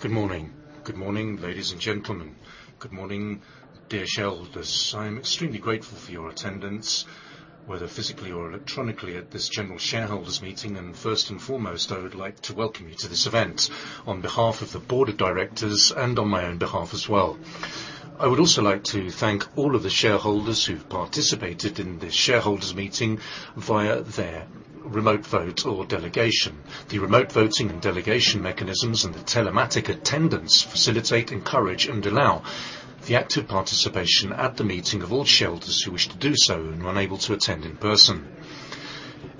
Good morning. Good morning, ladies and gentlemen. Good morning, dear shareholders. I'm extremely grateful for your attendance, whether physically or electronically at this general shareholders meeting. First and foremost, I would like to welcome you to this event on behalf of the board of directors and on my own behalf as well. I would also like to thank all of the shareholders who participated in this shareholders meeting via their remote vote or delegation. The remote voting and delegation mechanisms and the telematic attendance facilitate, encourage, and allow the active participation at the meeting of all shareholders who wish to do so and were unable to attend in person.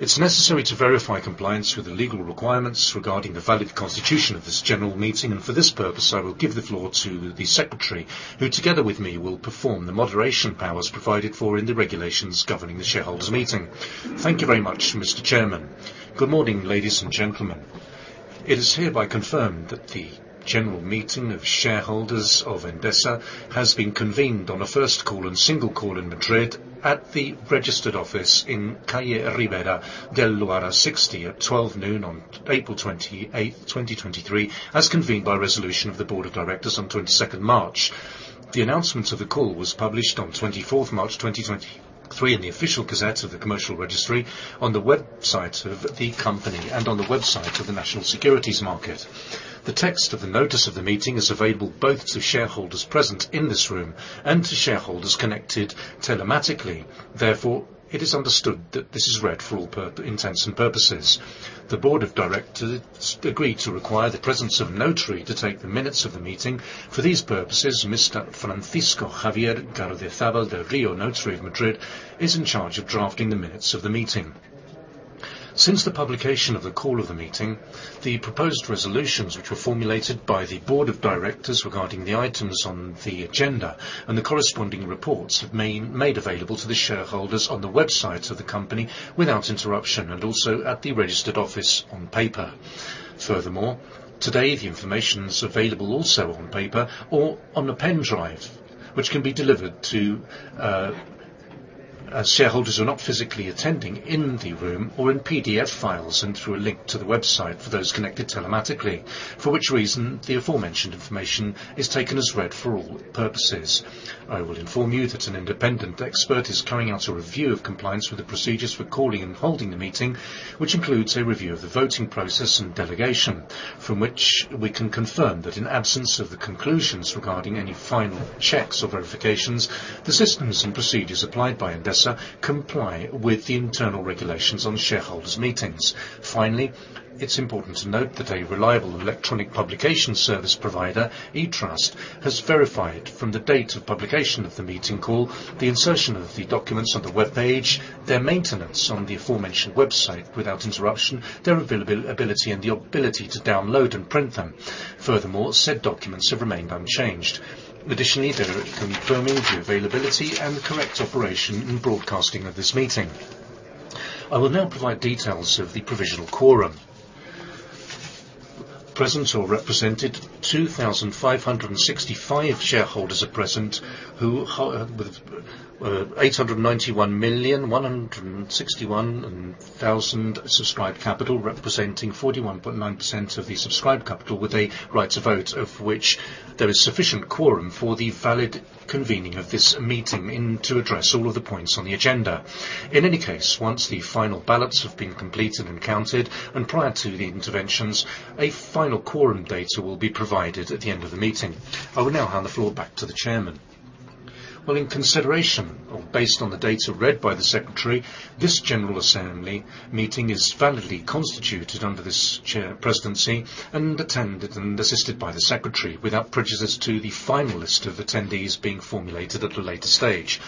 It's necessary to verify compliance with the legal requirements regarding the valid constitution of this general meeting, and for this purpose, I will give the floor to the Secretary, who together with me, will perform the moderation powers provided for in the regulations governing the shareholders' meeting. Thank you very much, Mr. Chairman. Good morning, ladies and gentlemen. It is hereby confirmed that the general meeting of shareholders of Endesa has been convened on a first call and single call in Madrid at the registered office in Calle Ribera del Loira 60 at 12:00 P.M. on April 28th, 2023, as convened by resolution of the board of directors on 22nd March. The announcement of the call was published on 24th March 2023 in the official gazette of the commercial registry on the website of the company and on the website of the National Securities Market. The text of the notice of the meeting is available both to shareholders present in this room and to shareholders connected telematically. It is understood that this is read for all intents and purposes. The board of directors agreed to require the presence of notary to take the minutes of the meeting. For these purposes, Mr. Francisco Javier Gardeazábal del Río, Notary of Madrid, is in charge of drafting the minutes of the meeting. Since the publication of the call of the meeting, the proposed resolutions, which were formulated by the board of directors regarding the items on the agenda and the corresponding reports, have made available to the shareholders on the website of the company without interruption and also at the registered office on paper. Today, the information is available also on paper or on a pen drive, which can be delivered to shareholders who are not physically attending in the room or in PDF files and through a link to the website for those connected telematically, for which reason the aforementioned information is taken as read for all purposes. I will inform you that an independent expert is carrying out a review of compliance with the procedures for calling and holding the meeting, which includes a review of the voting process and delegation, from which we can confirm that in absence of the conclusions regarding any final checks or verifications, the systems and procedures applied by Endesa comply with the internal regulations on shareholders' meetings. Finally, it's important to note that a reliable electronic publication service provider, EADTrust, has verified from the date of publication of the meeting call, the insertion of the documents on the web page, their maintenance on the aforementioned website without interruption, their availability, and the ability to download and print them. Said documents have remained unchanged. They are confirming the availability and correct operation in broadcasting of this meeting. I will now provide details of the provisional quorum. Present or represented, 2,565 shareholders are present, who, with 891,161,000 subscribed capital, representing 41.9% of the subscribed capital, with a right to vote, of which there is sufficient quorum for the valid convening of this meeting and to address all of the points on the agenda. In any case, once the final ballots have been completed and counted, and prior to the interventions, a final quorum data will be provided at the end of the meeting. I will now hand the floor back to the chairman. Well, in consideration or based on the data read by the secretary, this general assembly meeting is validly constituted under this chair presidency and attended and assisted by the secretary, without prejudice to the final list of attendees being formulated at a later stage.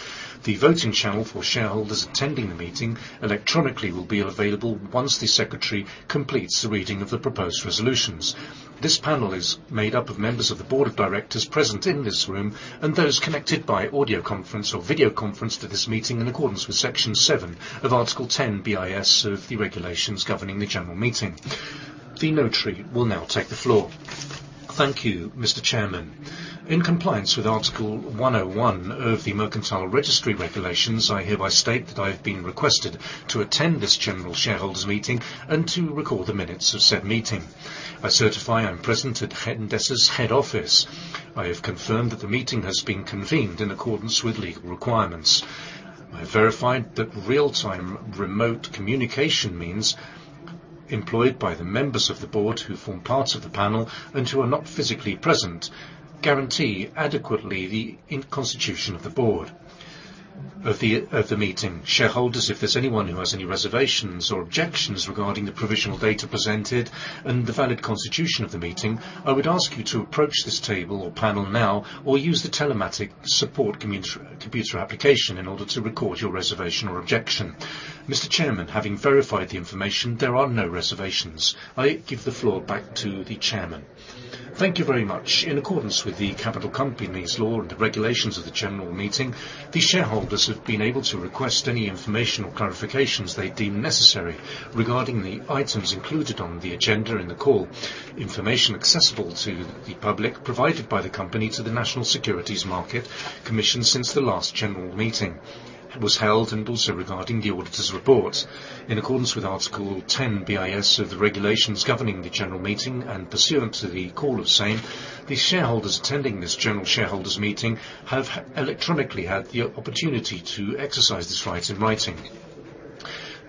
The voting channel for shareholders attending the meeting electronically will be available once the secretary completes the reading of the proposed resolutions. This panel is made up of members of the board of directors present in this room and those connected by audio conference or video conference to this meeting in accordance with Section seven of Article 10 BIS of the regulations governing the general meeting. The notary will now take the floor. Thank you, Mr. Chairman. In compliance with Article 101 of the Commercial Registry Regulations, I hereby state that I have been requested to attend this general shareholders' meeting and to record the minutes of said meeting. I certify I'm present at Endesa's head office. I have confirmed that the meeting has been convened in accordance with legal requirements. I verified that real-time remote communication means employed by the members of the board who form parts of the panel and who are not physically present guarantee adequately the in constitution of the meeting shareholders. If there's anyone who has any reservations or objections regarding the provisional data presented and the valid constitution of the meeting, I would ask you to approach this table or panel now or use the telematic support computer application in order to record your reservation or objection. Mr. Chairman, having verified the information, there are no reservations. I give the floor back to the chairman. Thank you very much. In accordance with the Capital Companies Law and the regulations of the general meeting, the shareholders have been able to request any information or clarifications they deem necessary regarding the items included on the agenda in the call. Information accessible to the public provided by the company to the National Securities Market Commission since the last general meeting was held, and also regarding the auditor's report. In accordance with Article 10 BIS of the regulations governing the general meeting and pursuant to the call of same, the shareholders attending this general shareholders' meeting have electronically had the opportunity to exercise this right in writing.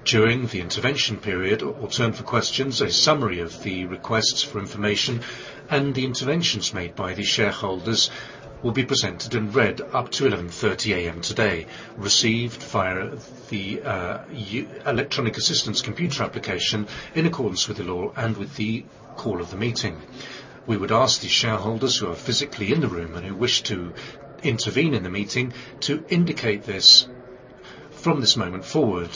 During the intervention period or turn for questions, a summary of the requests for information and the interventions made by the shareholders will be presented and read up to 11:30 A.M. today, received via the electronic assistance computer application in accordance with the law and with the call of the meeting. We would ask the shareholders who are physically in the room and who wish to intervene in the meeting to indicate this from this moment forward,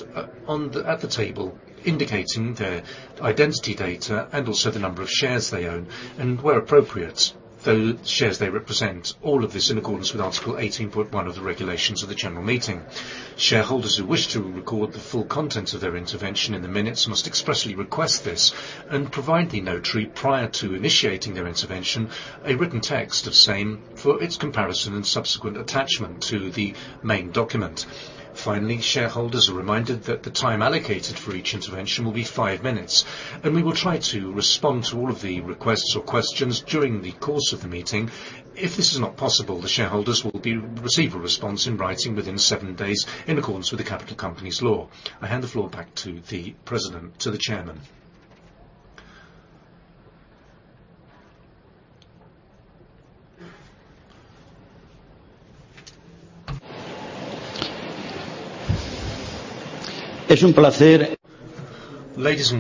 on the... at the table, indicating their identity data and also the number of shares they own, and where appropriate, the shares they represent, all of this in accordance with Article 18.1 of the regulations of the general meeting. Shareholders who wish to record the full content of their intervention in the minutes must expressly request this and provide the notary, prior to initiating their intervention, a written text of same for its comparison and subsequent attachment to the main document. Finally, shareholders are reminded that the time allocated for each intervention will be five minutes, and we will try to respond to all of the requests or questions during the course of the meeting. If this is not possible, the shareholders will receive a response in writing within seven days in accordance with the Capital Companies Law. I hand the floor back to the president, to the chairman. Ladies,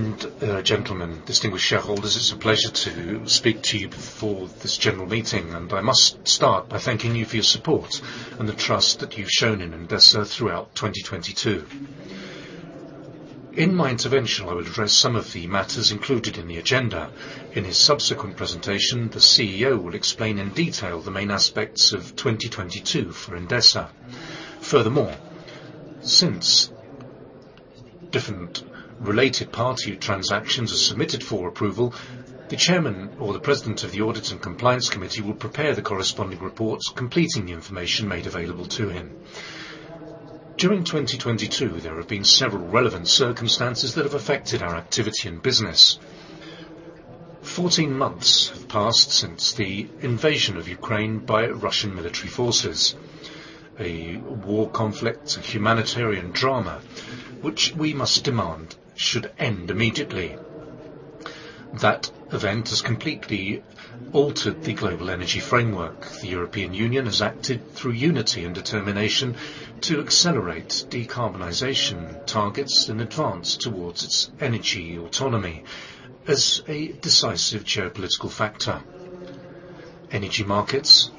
gentlemen, distinguished shareholders, it's a pleasure to speak to you before this general meeting, and I must start by thanking you for your support and the trust that you've shown in Endesa throughout 2022. In my intervention, I will address some of the matters included in the agenda. In his subsequent presentation, the CEO will explain in detail the main aspects of 2022 for Endesa. Furthermore, since different related party transactions are submitted for approval, the chairman or the president of the Audit and Compliance Committee will prepare the corresponding reports, completing the information made available to him. During 2022, there have been several relevant circumstances that have affected our activity and business. 14 months have passed since the invasion of Ukraine by Russian military forces, a war conflict and humanitarian drama which we must demand should end immediately. That event has completely altered the global energy framework. The European Union has acted through unity and determination to accelerate decarbonization targets and advance towards its energy autonomy as a decisive geopolitical factor. Energy markets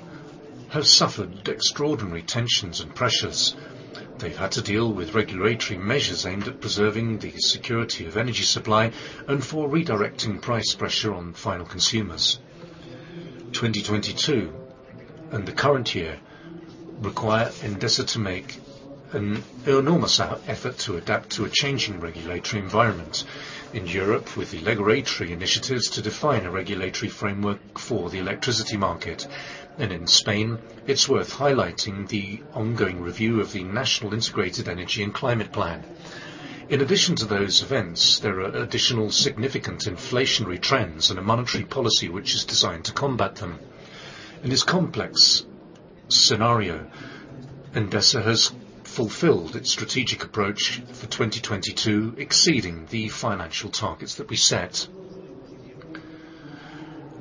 have suffered extraordinary tensions and pressures. They've had to deal with regulatory measures aimed at preserving the security of energy supply and for redirecting price pressure on final consumers. 2022 and the current year require Endesa to make an enormous effort to adapt to a changing regulatory environment. In Europe, with the regulatory initiatives to define a regulatory framework for the electricity market, in Spain, it's worth highlighting the ongoing review of the National Integrated Energy and Climate Plan. In addition to those events, there are additional significant inflationary trends and a monetary policy which is designed to combat them. In this complex scenario, Endesa has fulfilled its strategic approach for 2022, exceeding the financial targets that we set.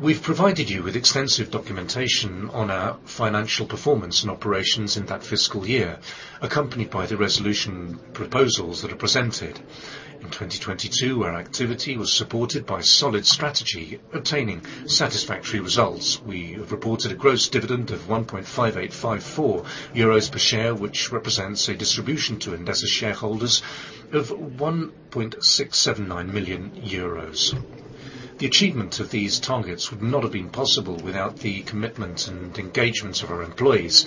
We've provided you with extensive documentation on our financial performance and operations in that fiscal year, accompanied by the resolution proposals that are presented. In 2022, our activity was supported by solid strategy, obtaining satisfactory results. We have reported a gross dividend of 1.5854 euros per share, which represents a distribution to Endesa shareholders of 1.679 million euros. The achievement of these targets would not have been possible without the commitment and engagement of our employees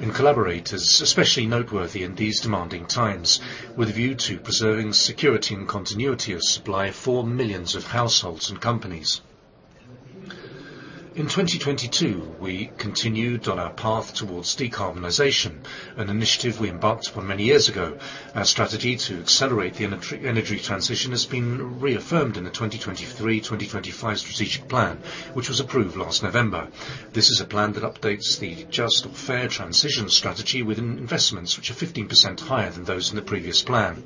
and collaborators, especially noteworthy in these demanding times, with a view to preserving security and continuity of supply for millions of households and companies. In 2022, we continued on our path towards decarbonization, an initiative we embarked upon many years ago. Our strategy to accelerate the energy transition has been reaffirmed in the 2023/2025 strategic plan, which was approved last November. This is a plan that updates the just fair transition strategy with investments which are 15% higher than those in the previous plan.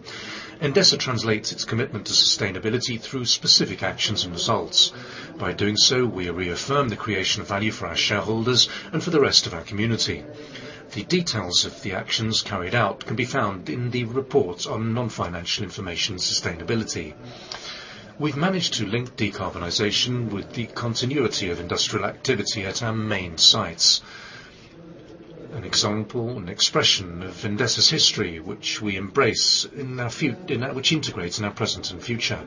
Endesa translates its commitment to sustainability through specific actions and results. By doing so, we reaffirm the creation of value for our shareholders and for the rest of our community. The details of the actions carried out can be found in the report on non-financial information sustainability. We've managed to link decarbonization with the continuity of industrial activity at our main sites. An example and expression of Endesa's history, which we embrace which integrates in our present and future.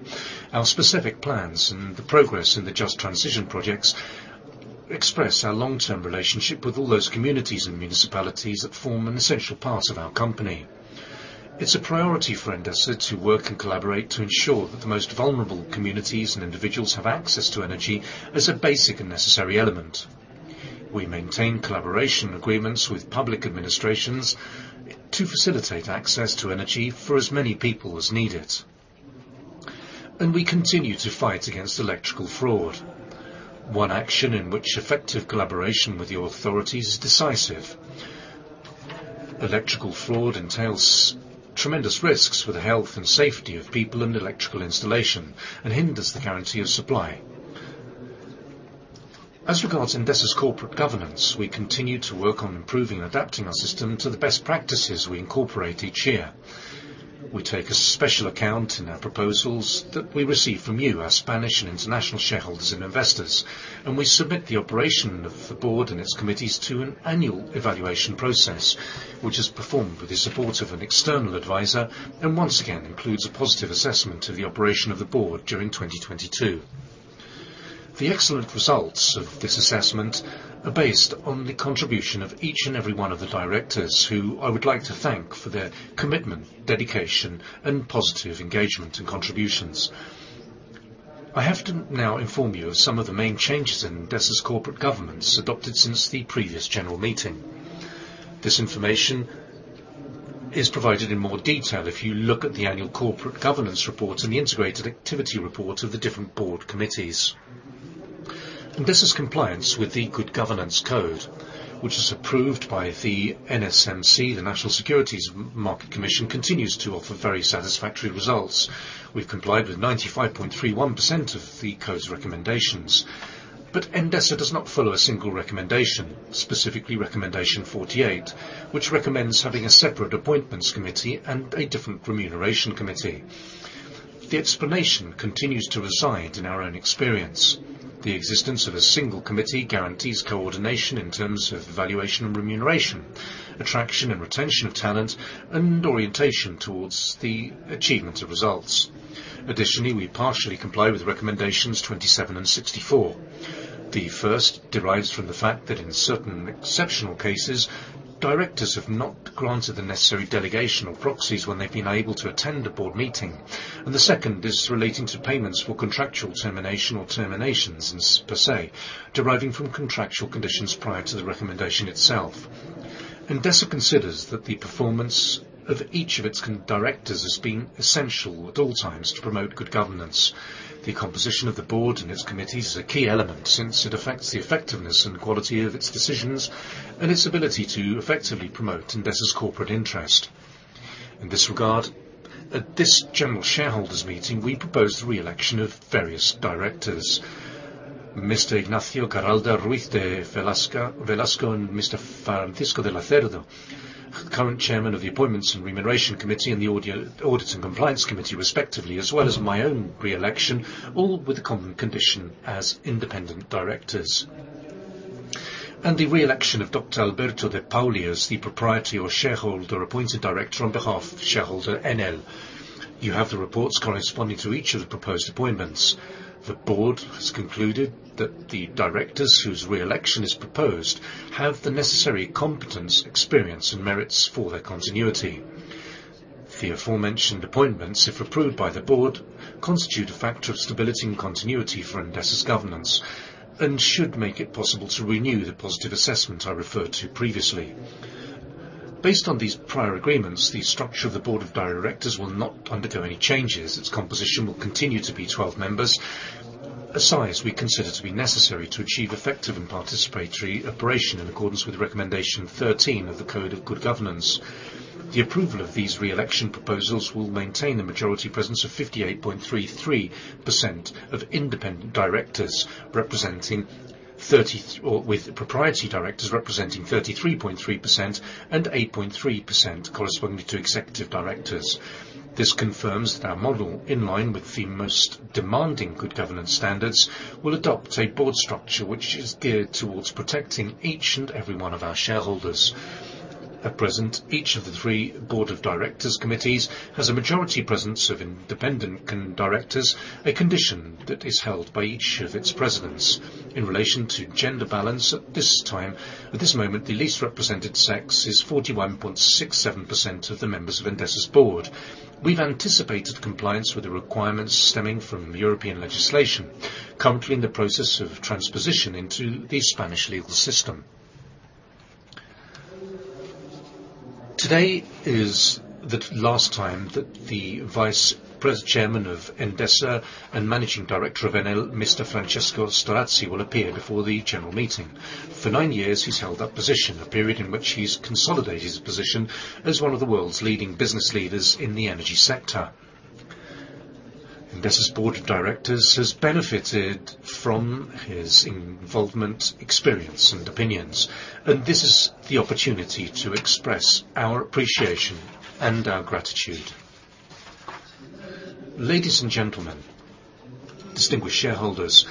Our specific plans and the progress in the Just Transition projects express our long-term relationship with all those communities and municipalities that form an essential part of our company. It's a priority for Endesa to work and collaborate to ensure that the most vulnerable communities and individuals have access to energy as a basic and necessary element. We maintain collaboration agreements with public administrations to facilitate access to energy for as many people as needed. We continue to fight against electrical fraud. One action in which effective collaboration with the authorities is decisive. Electrical fraud entails tremendous risks for the health and safety of people in electrical installation and hinders the guarantee of supply. As regards Endesa's corporate governance, we continue to work on improving and adapting our system to the best practices we incorporate each year. We take a special account in our proposals that we receive from you, our Spanish and international shareholders and investors, and we submit the operation of the board and its committees to an annual evaluation process, which is performed with the support of an external advisor and once again includes a positive assessment of the operation of the board during 2022. The excellent results of this assessment are based on the contribution of each and every one of the directors, who I would like to thank for their commitment, dedication, and positive engagement and contributions. I have to now inform you of some of the main changes in Endesa's corporate governance adopted since the previous general meeting. This information is provided in more detail if you look at the annual corporate governance report and the integrated activity report of the different board committees. This is compliance with the Good Governance Code, which is approved by the CNMV, the National Securities Market Commission, continues to offer very satisfactory results. We've complied with 95.31% of the code's recommendations. Endesa does not follow a single recommendation, specifically Recommendation 48, which recommends having a separate appointments committee and a different remuneration committee. The explanation continues to reside in our own experience. The existence of a single committee guarantees coordination in terms of evaluation and remuneration, attraction and retention of talent, and orientation towards the achievement of results. Additionally, we partially comply with Recommendations 27 and 64. The first derives from the fact that in certain exceptional cases, directors have not granted the necessary delegation or proxies when they've been unable to attend a board meeting. The second is relating to payments for contractual termination or terminations per se, deriving from contractual conditions prior to the recommendation itself. Endesa considers that the performance of each of its directors as being essential at all times to promote good governance. The composition of the board and its committees is a key element since it affects the effectiveness and quality of its decisions and its ability to effectively promote Endesa's corporate interest. In this regard, at this general shareholders meeting, we propose the reelection of various directors. Mr. Ignacio Garralda Ruíz de Velasco and Mr. Francisco de Lacerda, current chairman of the Appointments and Remuneration Committee and the Audit and Compliance Committee, respectively, as well as my own reelection, all with the common condition as independent directors. The reelection of Dr. Alberto de Paoli as the proprietor shareholder-appointed director on behalf of shareholder Enel. You have the reports corresponding to each of the proposed appointments. The board has concluded that the directors whose reelection is proposed have the necessary competence, experience, and merits for their continuity. The aforementioned appointments, if approved by the board, constitute a factor of stability and continuity for Endesa's governance and should make it possible to renew the positive assessment I referred to previously. Based on these prior agreements, the structure of the board of directors will not undergo any changes. Its composition will continue to be 12 members, a size we consider to be necessary to achieve effective and participatory operation in accordance with Recommendation 13 of the Code of Good Governance. The approval of these reelection proposals will maintain a majority presence of 58.33% of independent directors, representing 30... Or with propriety directors representing 33.3% and 8.3% corresponding to executive directors. This confirms that our model, in line with the most demanding good governance standards, will adopt a Board structure which is geared towards protecting each and every one of our shareholders. At present, each of the three Board of Directors committees has a majority presence of independent directors, a condition that is held by each of its presidents. In relation to gender balance, at this time, at this moment, the least represented sex is 41.67% of the members of Endesa's Board. We've anticipated compliance with the requirements stemming from European legislation, currently in the process of transposition into the Spanish legal system. Today is the last time that the Chairman of Endesa and Managing Director of Enel, Mr. Francesco Starace, will appear before the general meeting. For nine years, he's held that position, a period in which he's consolidated his position as one of the world's leading business leaders in the energy sector. Endesa's board of directors has benefited from his involvement, experience, and opinions. This is the opportunity to express our appreciation and our gratitude. Ladies and gentlemen, distinguished shareholders,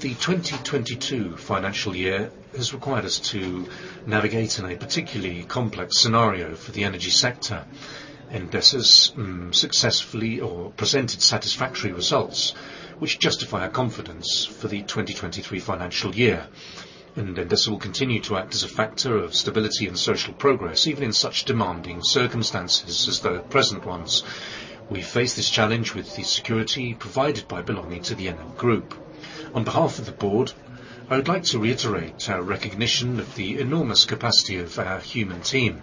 the 2022 financial year has required us to navigate in a particularly complex scenario for the energy sector. Endesa's successfully or presented satisfactory results, which justify our confidence for the 2023 financial year. Endesa will continue to act as a factor of stability and social progress, even in such demanding circumstances as the present ones. We face this challenge with the security provided by belonging to the Enel Group. On behalf of the board, I would like to reiterate our recognition of the enormous capacity of our human team.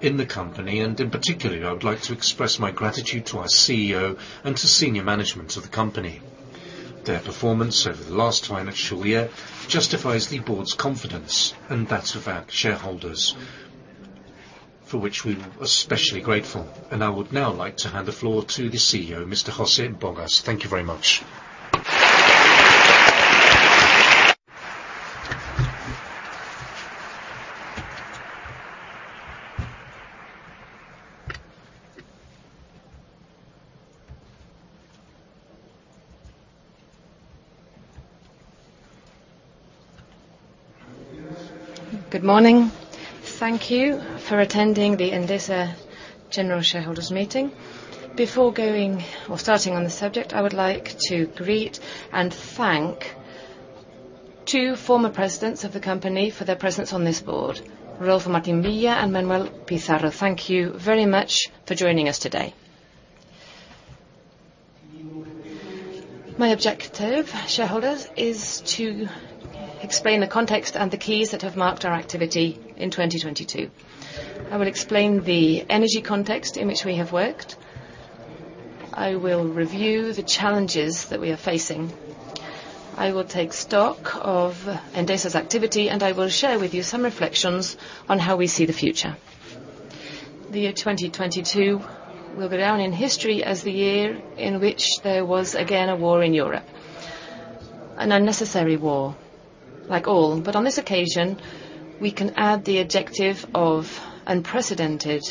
In the company, and in particular, I would like to express my gratitude to our CEO and to senior management of the company. Their performance over the last time at Shawier justifies the board's confidence and that of our shareholders, for which we are especially grateful. I would now like to hand the floor to the CEO, Mr. José Bogas. Thank you very much. Good morning. Thank you for attending the Endesa general shareholders meeting. Before going or starting on the subject, I would like to greet and thank two former presidents of the company for their presence on this board, Rodolfo Martín Villa and Manuel Pizarro. Thank you very much for joining us today. My objective, shareholders, is to explain the context and the keys that have marked our activity in 2022. I will explain the energy context in which we have worked. I will review the challenges that we are facing. I will take stock of Endesa's activity, and I will share with you some reflections on how we see the future. The year 2022 will go down in history as the year in which there was, again, a war in Europe, an unnecessary war, like all. On this occasion, we can add the adjective of unprecedented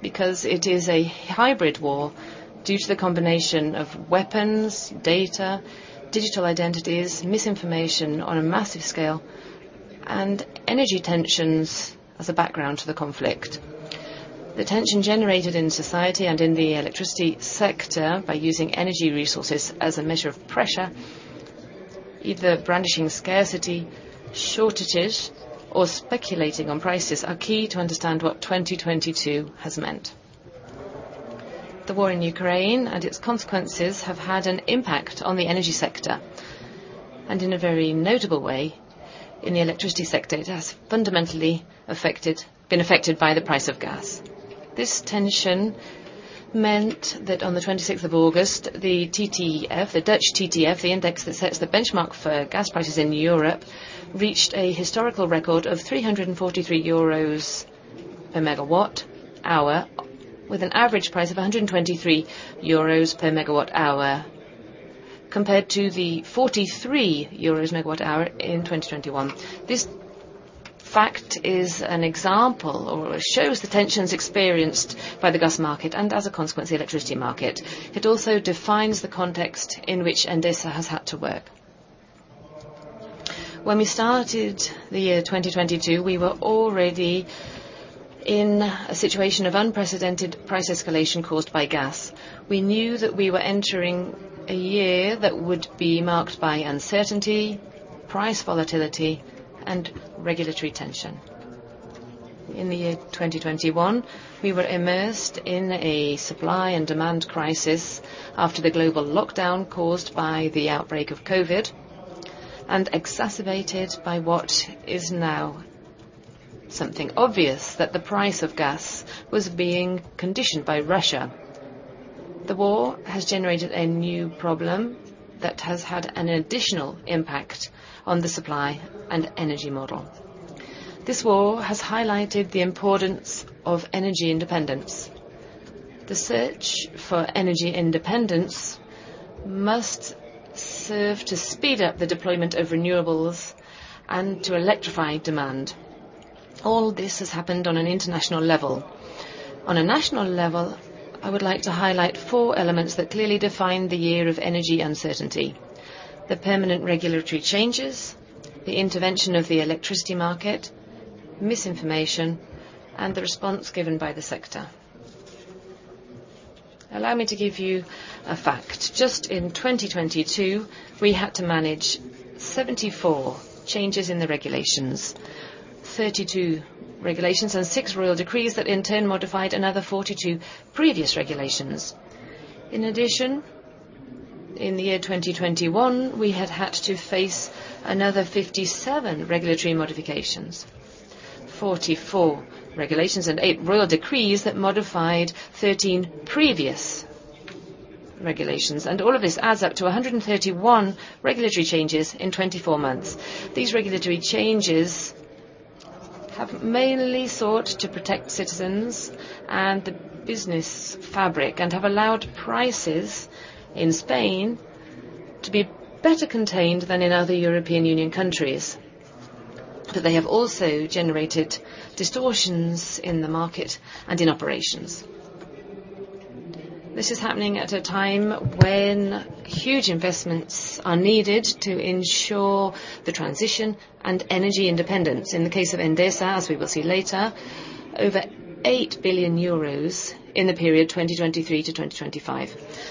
because it is a hybrid war due to the combination of weapons, data, digital identities, misinformation on a massive scale, and energy tensions as a background to the conflict. The tension generated in society and in the electricity sector by using energy resources as a measure of pressure, either brandishing scarcity, shortages, or speculating on prices, are key to understand what 2022 has meant. The war in Ukraine and its consequences have had an impact on the energy sector, and in a very notable way in the electricity sector, it has fundamentally been affected by the price of gas. This tension meant that on the 26th of August, the TTF, the Dutch TTF, the index that sets the benchmark for gas prices in Europe, reached a historical record of 343 euros per megawatt hour with an average price of 123 euros per megawatt hour, compared to the 43 euros megawatt hour in 2021. This fact is an example or shows the tensions experienced by the gas market and, as a consequence, the electricity market. It also defines the context in which Endesa has had to work. When we started the year 2022, we were already in a situation of unprecedented price escalation caused by gas. We knew that we were entering a year that would be marked by uncertainty, price volatility, and regulatory tension. In the year 2021, we were immersed in a supply and demand crisis after the global lockdown caused by the outbreak of COVID and exacerbated by what is now something obvious, that the price of gas was being conditioned by Russia. The war has generated a new problem that has had an additional impact on the supply and energy model. This war has highlighted the importance of energy independence. The search for energy independence must serve to speed up the deployment of renewables and to electrify demand. All this has happened on an international level. On a national level, I would like to highlight four elements that clearly define the year of energy uncertainty: the permanent regulatory changes, the intervention of the electricity market, misinformation, and the response given by the sector. Allow me to give you a fact. Just in 2022, we had to manage 74 changes in the regulations, 32 regulations and 6 royal decrees that in turn modified another 42 previous regulations. In addition, in the year 2021, we had had to face another 57 regulatory modifications, 44 regulations, and 8 royal decrees that modified 13 previous regulations. All of this adds up to 131 regulatory changes in 24 months. These regulatory changes have mainly sought to protect citizens and the business fabric and have allowed prices in Spain to be better contained than in other European Union countries. They have also generated distortions in the market and in operations. This is happening at a time when huge investments are needed to ensure the transition and energy independence. In the case of Endesa, as we will see later, over 8 billion euros in the period 2023-2025.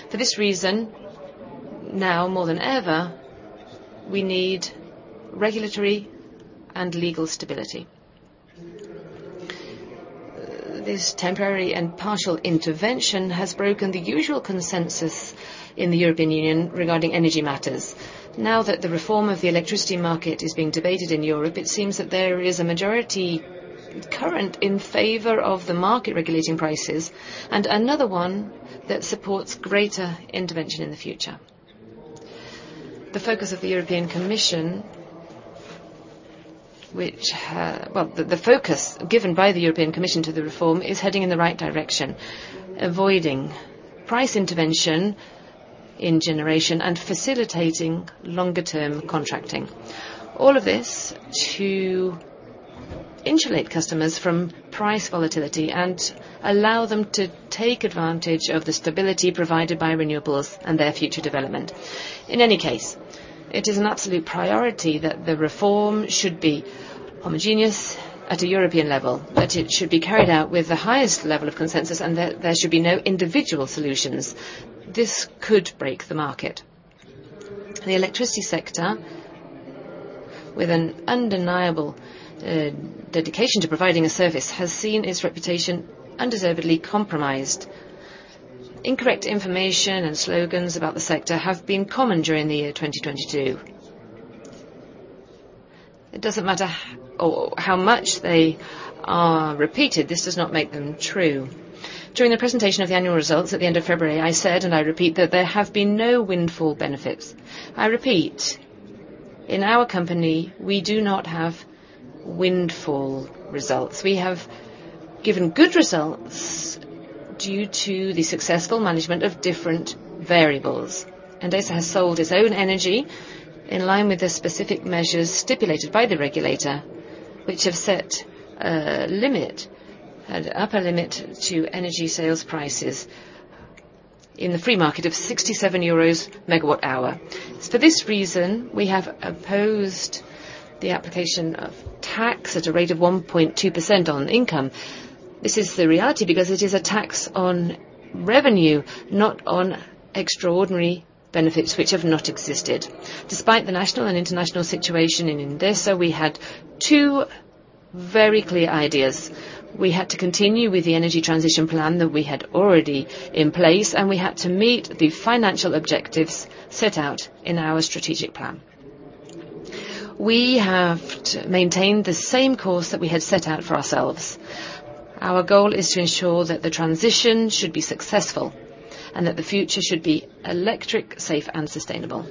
For this reason, now more than ever, we need regulatory and legal stability. This temporary and partial intervention has broken the usual consensus in the European Union regarding energy matters. Now that the reform of the electricity market is being debated in Europe, it seems that there is a majority current in favor of the market regulating prices and another one that supports greater intervention in the future. The focus of the European Commission, Well, the focus given by the European Commission to the reform is heading in the right direction, avoiding price intervention in generation and facilitating longer term contracting. All of this to insulate customers from price volatility and allow them to take advantage of the stability provided by renewables and their future development. In any case, it is an absolute priority that the reform should be homogeneous at a European level, that it should be carried out with the highest level of consensus, there should be no individual solutions. This could break the market. The electricity sector, with an undeniable dedication to providing a service, has seen its reputation undeservedly compromised. Incorrect information and slogans about the sector have been common during the year 2022. It doesn't matter how much they are repeated, this does not make them true. During the presentation of the annual results at the end of February, I said, I repeat, that there have been no windfall benefits. I repeat, in our company, we do not have windfall results. We have given good results due to the successful management of different variables. Endesa has sold its own energy in line with the specific measures stipulated by the regulator, which have set a limit, an upper limit to energy sales prices in the free market of 67 euros megawatt hour. It's for this reason, we have opposed the application of tax at a rate of 1.2% on income. This is the reality because it is a tax on revenue, not on extraordinary benefits, which have not existed. Despite the national and international situation in Endesa, we had two very clear ideas. We had to continue with the energy transition plan that we had already in place, and we had to meet the financial objectives set out in our strategic plan. We have maintained the same course that we had set out for ourselves. Our goal is to ensure that the transition should be successful and that the future should be electric, safe and sustainable.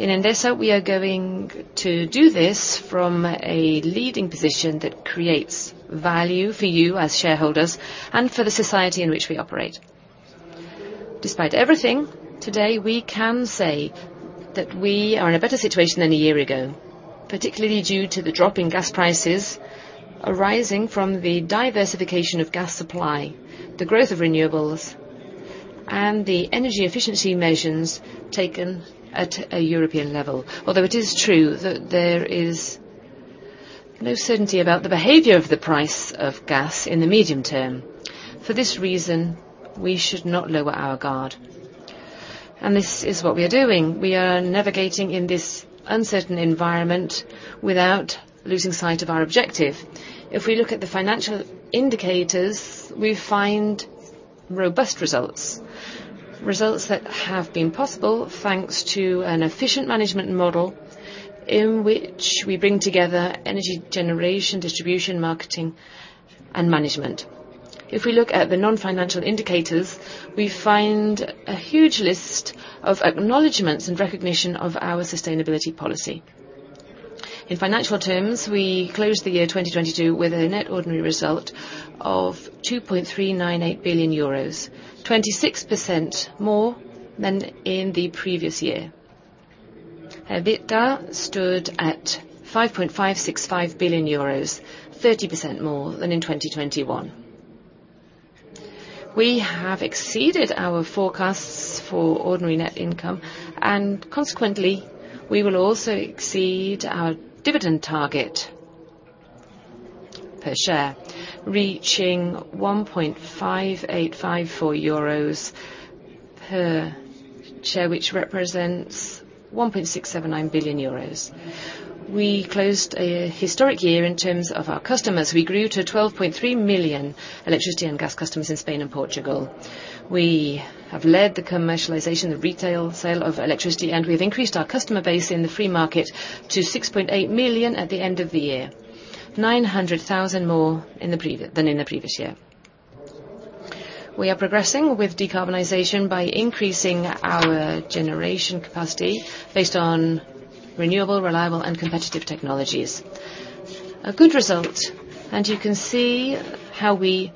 In Endesa, we are going to do this from a leading position that creates value for you as shareholders and for the society in which we operate. Despite everything, today, we can say that we are in a better situation than a year ago, particularly due to the drop in gas prices arising from the diversification of gas supply, the growth of renewables, and the energy efficiency measures taken at a European level. Although it is true that there is no certainty about the behavior of the price of gas in the medium term. For this reason, we should not lower our guard, and this is what we are doing. We are navigating in this uncertain environment without losing sight of our objective. If we look at the financial indicators, we find robust results. Results that have been possible, thanks to an efficient management model in which we bring together energy generation, distribution, marketing, and management. If we look at the non-financial indicators, we find a huge list of acknowledgements and recognition of our sustainability policy. In financial terms, we closed the year 2022 with a net ordinary result of 2.398 billion euros, 26% more than in the previous year. EBITDA stood at 5.565 billion euros, 30% more than in 2021. We have exceeded our forecasts for ordinary net income, consequently, we will also exceed our dividend target per share, reaching 1.5854 euros per share, which represents 1.679 billion euros. We closed a historic year in terms of our customers. We grew to 12.3 million electricity and gas customers in Spain and Portugal. We have led the commercialization of retail sale of electricity, we've increased our customer base in the free market to 6.8 million at the end of the year, 900,000 more than in the previous year. We are progressing with decarbonization by increasing our generation capacity based on renewable, reliable, and competitive technologies. A good result, you can see how we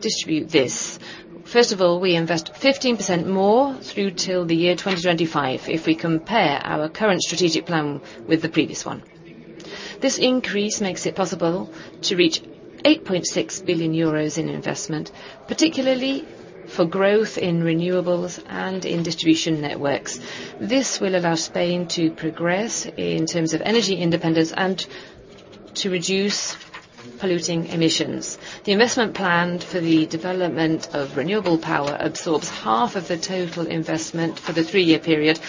distribute this. First of all, we invest 15% more through till the year 2025 if we compare our current strategic plan with the previous one. This increase makes it possible to reach 8.6 billion euros in investment, particularly for growth in renewables and in distribution networks. This will allow Spain to progress in terms of energy independence and to reduce polluting emissions. The investment plan for the development of renewable power absorbs half of the total investment for the three-year period.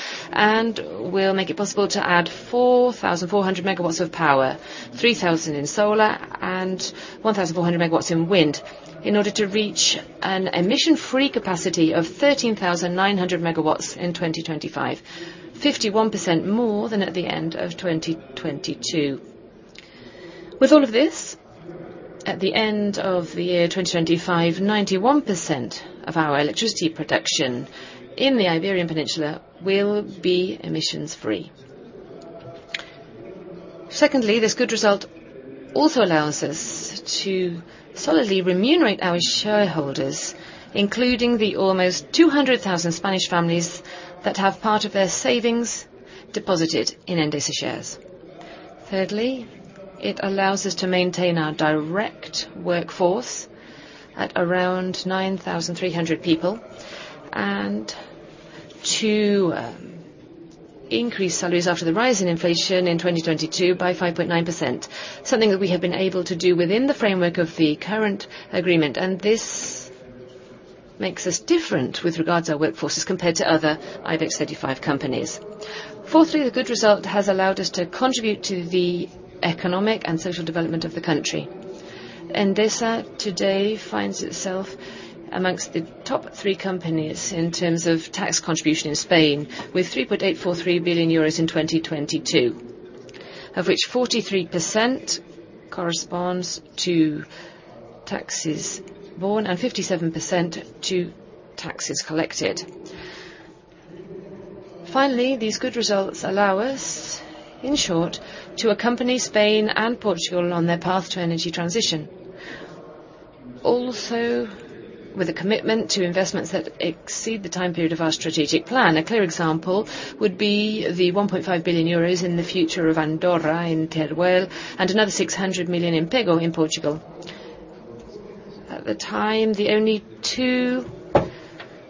Will make it possible to add 4,400 MW of power, 3,000 in solar and 1,400 MW in wind in order to reach an emission-free capacity of 13,900 MW in 2025, 51% more than at the end of 2022. With all of this, at the end of the year 2025, 91% of our electricity production in the Iberian Peninsula will be emissions free. Secondly, this good result also allows us to solidly remunerate our shareholders, including the almost 200,000 Spanish families that have part of their savings deposited in Endesa shares. Thirdly, it allows us to maintain our direct workforce at around 9,300 people and to increase salaries after the rise in inflation in 2022 by 5.9%, something that we have been able to do within the framework of the current agreement. This makes us different with regards to our workforce as compared to other IBEX 35 companies. Fourthly, the good result has allowed us to contribute to the economic and social development of the country. Endesa today finds itself amongst the top three companies in terms of tax contribution in Spain, with 3.843 billion euros in 2022. Of which 43% corresponds to taxes born and 57% to taxes collected. Finally, these good results allow us, in short, to accompany Spain and Portugal on their path to energy transition. With a commitment to investments that exceed the time period of our strategic plan. A clear example would be the 1.5 billion euros in the future of Andorra in Teruel, and another 600 million in Pego in Portugal. At the time, the only two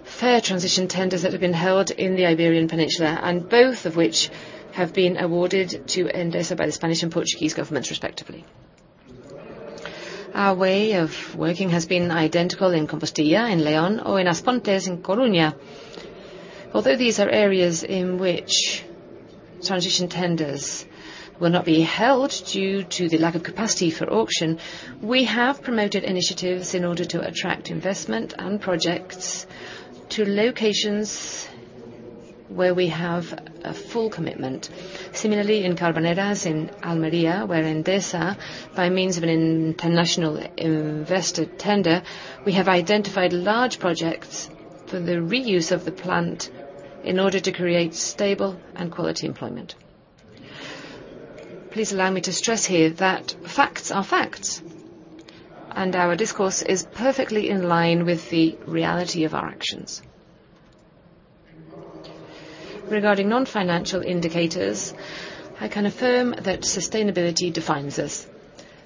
fair transition tenders that have been held in the Iberian Peninsula, and both of which have been awarded to Endesa by the Spanish and Portuguese governments respectively. Our way of working has been identical in Compostela and León or in As Pontes in Coruña. Although these are areas in which transition tenders will not be held due to the lack of capacity for auction, we have promoted initiatives in order to attract investment and projects to locations where we have a full commitment. Similarly, in Carboneras in Almería, where Endesa, by means of an international invested tender, we have identified large projects for the reuse of the plant in order to create stable and quality employment. Please allow me to stress here that facts are facts, and our discourse is perfectly in line with the reality of our actions. Regarding non-financial indicators, I can affirm that sustainability defines us,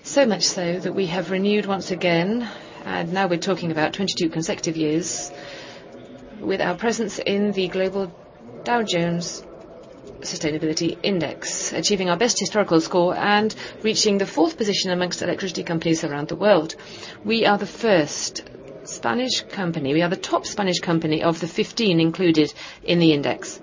so much so that we have renewed once again, and now we're talking about 22 consecutive years with our presence in the global Dow Jones Sustainability Index, achieving our best historical score and reaching the fourth position amongst electricity companies around the world. We are the top Spanish company of the 15 included in the index.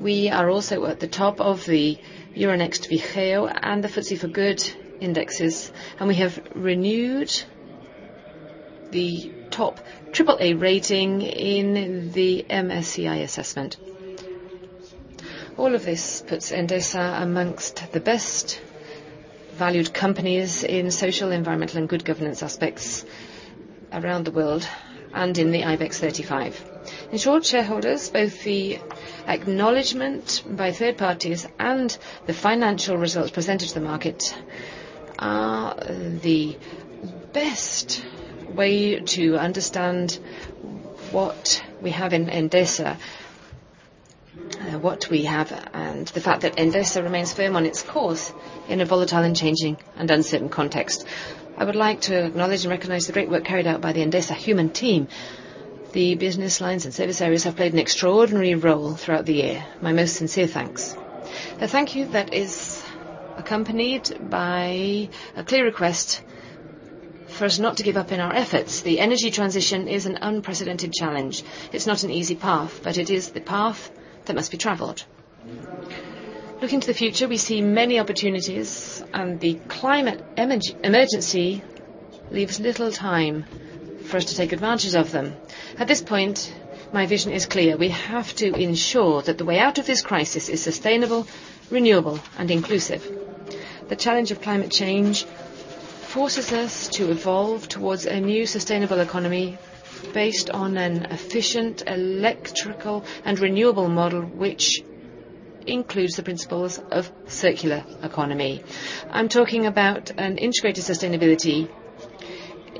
We are also at the top of the Euronext Vigeo and the FTSE4Good indexes. We have renewed the top triple A rating in the MSCI assessment. All of this puts Endesa amongst the best valued companies in social, environmental, and good governance aspects around the world and in the IBEX 35. In short, shareholders, both the acknowledgment by third parties and the financial results presented to the market are the best way to understand what we have in Endesa, what we have, and the fact that Endesa remains firm on its course in a volatile and changing and uncertain context. I would like to acknowledge and recognize the great work carried out by the Endesa human team. The business lines and service areas have played an extraordinary role throughout the year. My most sincere thanks. A thank you that is accompanied by a clear request for us not to give up in our efforts. The energy transition is an unprecedented challenge. It's not an easy path, but it is the path that must be traveled. Looking to the future, we see many opportunities and the climate emergency leaves little time for us to take advantage of them. At this point, my vision is clear. We have to ensure that the way out of this crisis is sustainable, renewable and inclusive. The challenge of climate change forces us to evolve towards a new sustainable economy based on an efficient electrical and renewable model, which includes the principles of circular economy. I'm talking about an integrated sustainability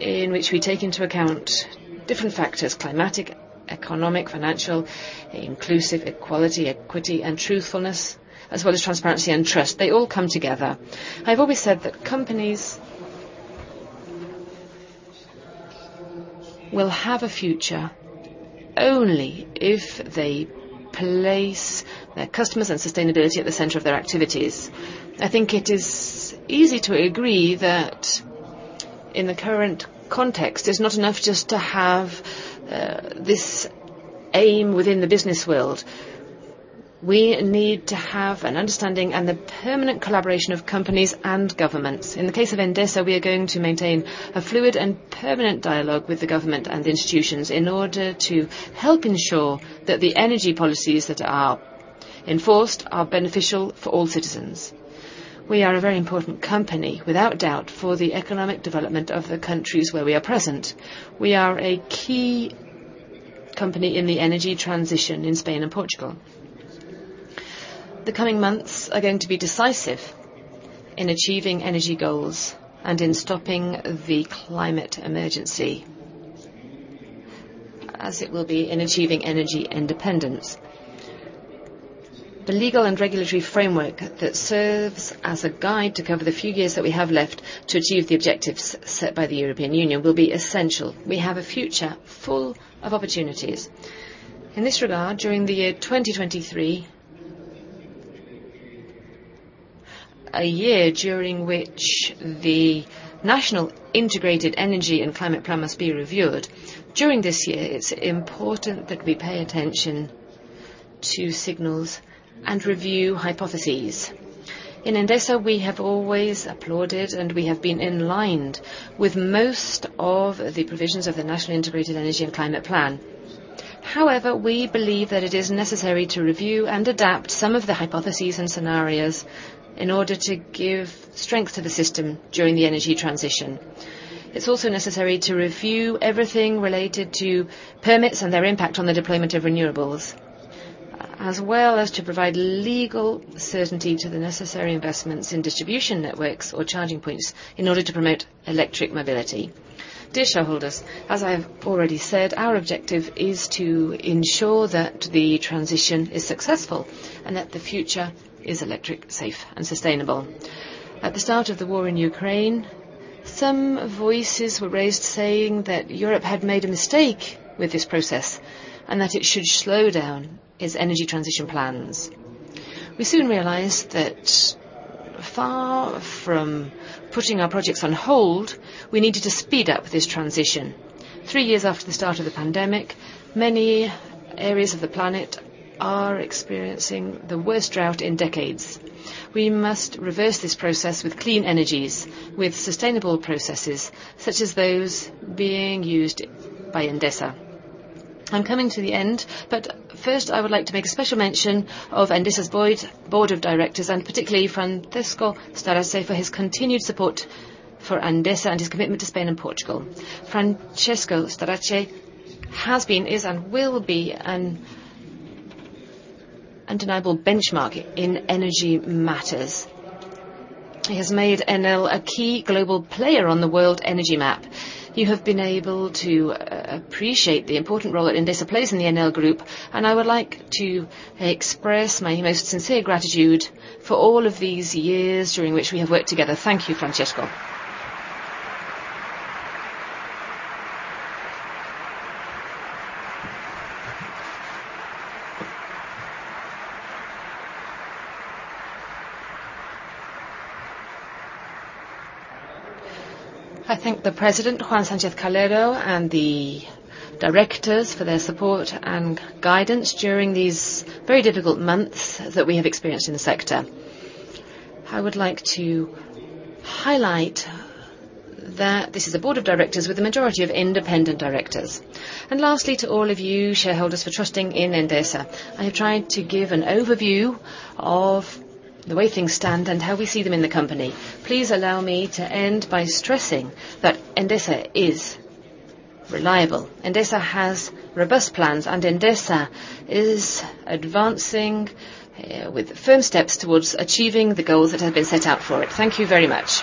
in which we take into account different factors climatic, economic, financial, inclusive equality, equity, and truthfulness, as well as transparency and trust. They all come together. I've always said that companies will have a future only if they place their customers and sustainability at the center of their activities. I think it is easy to agree that in the current context, it's not enough just to have this aim within the business world. We need to have an understanding and the permanent collaboration of companies and governments. In the case of Endesa, we are going to maintain a fluid and permanent dialogue with the government and institutions in order to help ensure that the energy policies that are enforced are beneficial for all citizens. We are a very important company, without doubt, for the economic development of the countries where we are present. We are a key company in the energy transition in Spain and Portugal. The coming months are going to be decisive in achieving energy goals and in stopping the climate emergency, as it will be in achieving energy independence. The legal and regulatory framework that serves as a guide to cover the few years that we have left to achieve the objectives set by the European Union will be essential. We have a future full of opportunities. In this regard, during the year 2023, a year during which the National Integrated Energy and Climate Plan must be reviewed. During this year, it's important that we pay attention to signals and review hypotheses. In Endesa, we have always applauded, and we have been in line with most of the provisions of the National Integrated Energy and Climate Plan. We believe that it is necessary to review and adapt some of the hypotheses and scenarios in order to give strength to the system during the energy transition. It's also necessary to review everything related to permits and their impact on the deployment of renewables, as well as to provide legal certainty to the necessary investments in distribution networks or charging points in order to promote electric mobility. Dear shareholders, as I have already said, our objective is to ensure that the transition is successful and that the future is electric, safe and sustainable. At the start of the war in Ukraine, some voices were raised saying that Europe had made a mistake with this process and that it should slow down its energy transition plans. We soon realized that far from putting our projects on hold, we needed to speed up this transition. Three years after the start of the pandemic, many areas of the planet are experiencing the worst drought in decades. We must reverse this process with clean energies, with sustainable processes such as those being used by Endesa. I'm coming to the end, but first, I would like to make a special mention of Endesa's board of directors, and particularly Francesco Starace, for his continued support for Endesa and his commitment to Spain and Portugal. Francesco Starace has been, is, and will be an undeniable benchmark in energy matters. He has made Enel a key global player on the world energy map. You have been able to appreciate the important role that Endesa plays in the Enel Group, and I would like to express my most sincere gratitude for all of these years during which we have worked together. Thank you, Francesco. I thank the President, Juan Sánchez-Calero, and the directors for their support and guidance during these very difficult months that we have experienced in the sector. I would like to highlight that this is a board of directors with the majority of independent directors. Lastly, to all of you shareholders for trusting in Endesa. I have tried to give an overview of the way things stand and how we see them in the company. Please allow me to end by stressing that Endesa is reliable, Endesa has robust plans, and Endesa is advancing with firm steps towards achieving the goals that have been set out for it. Thank you very much.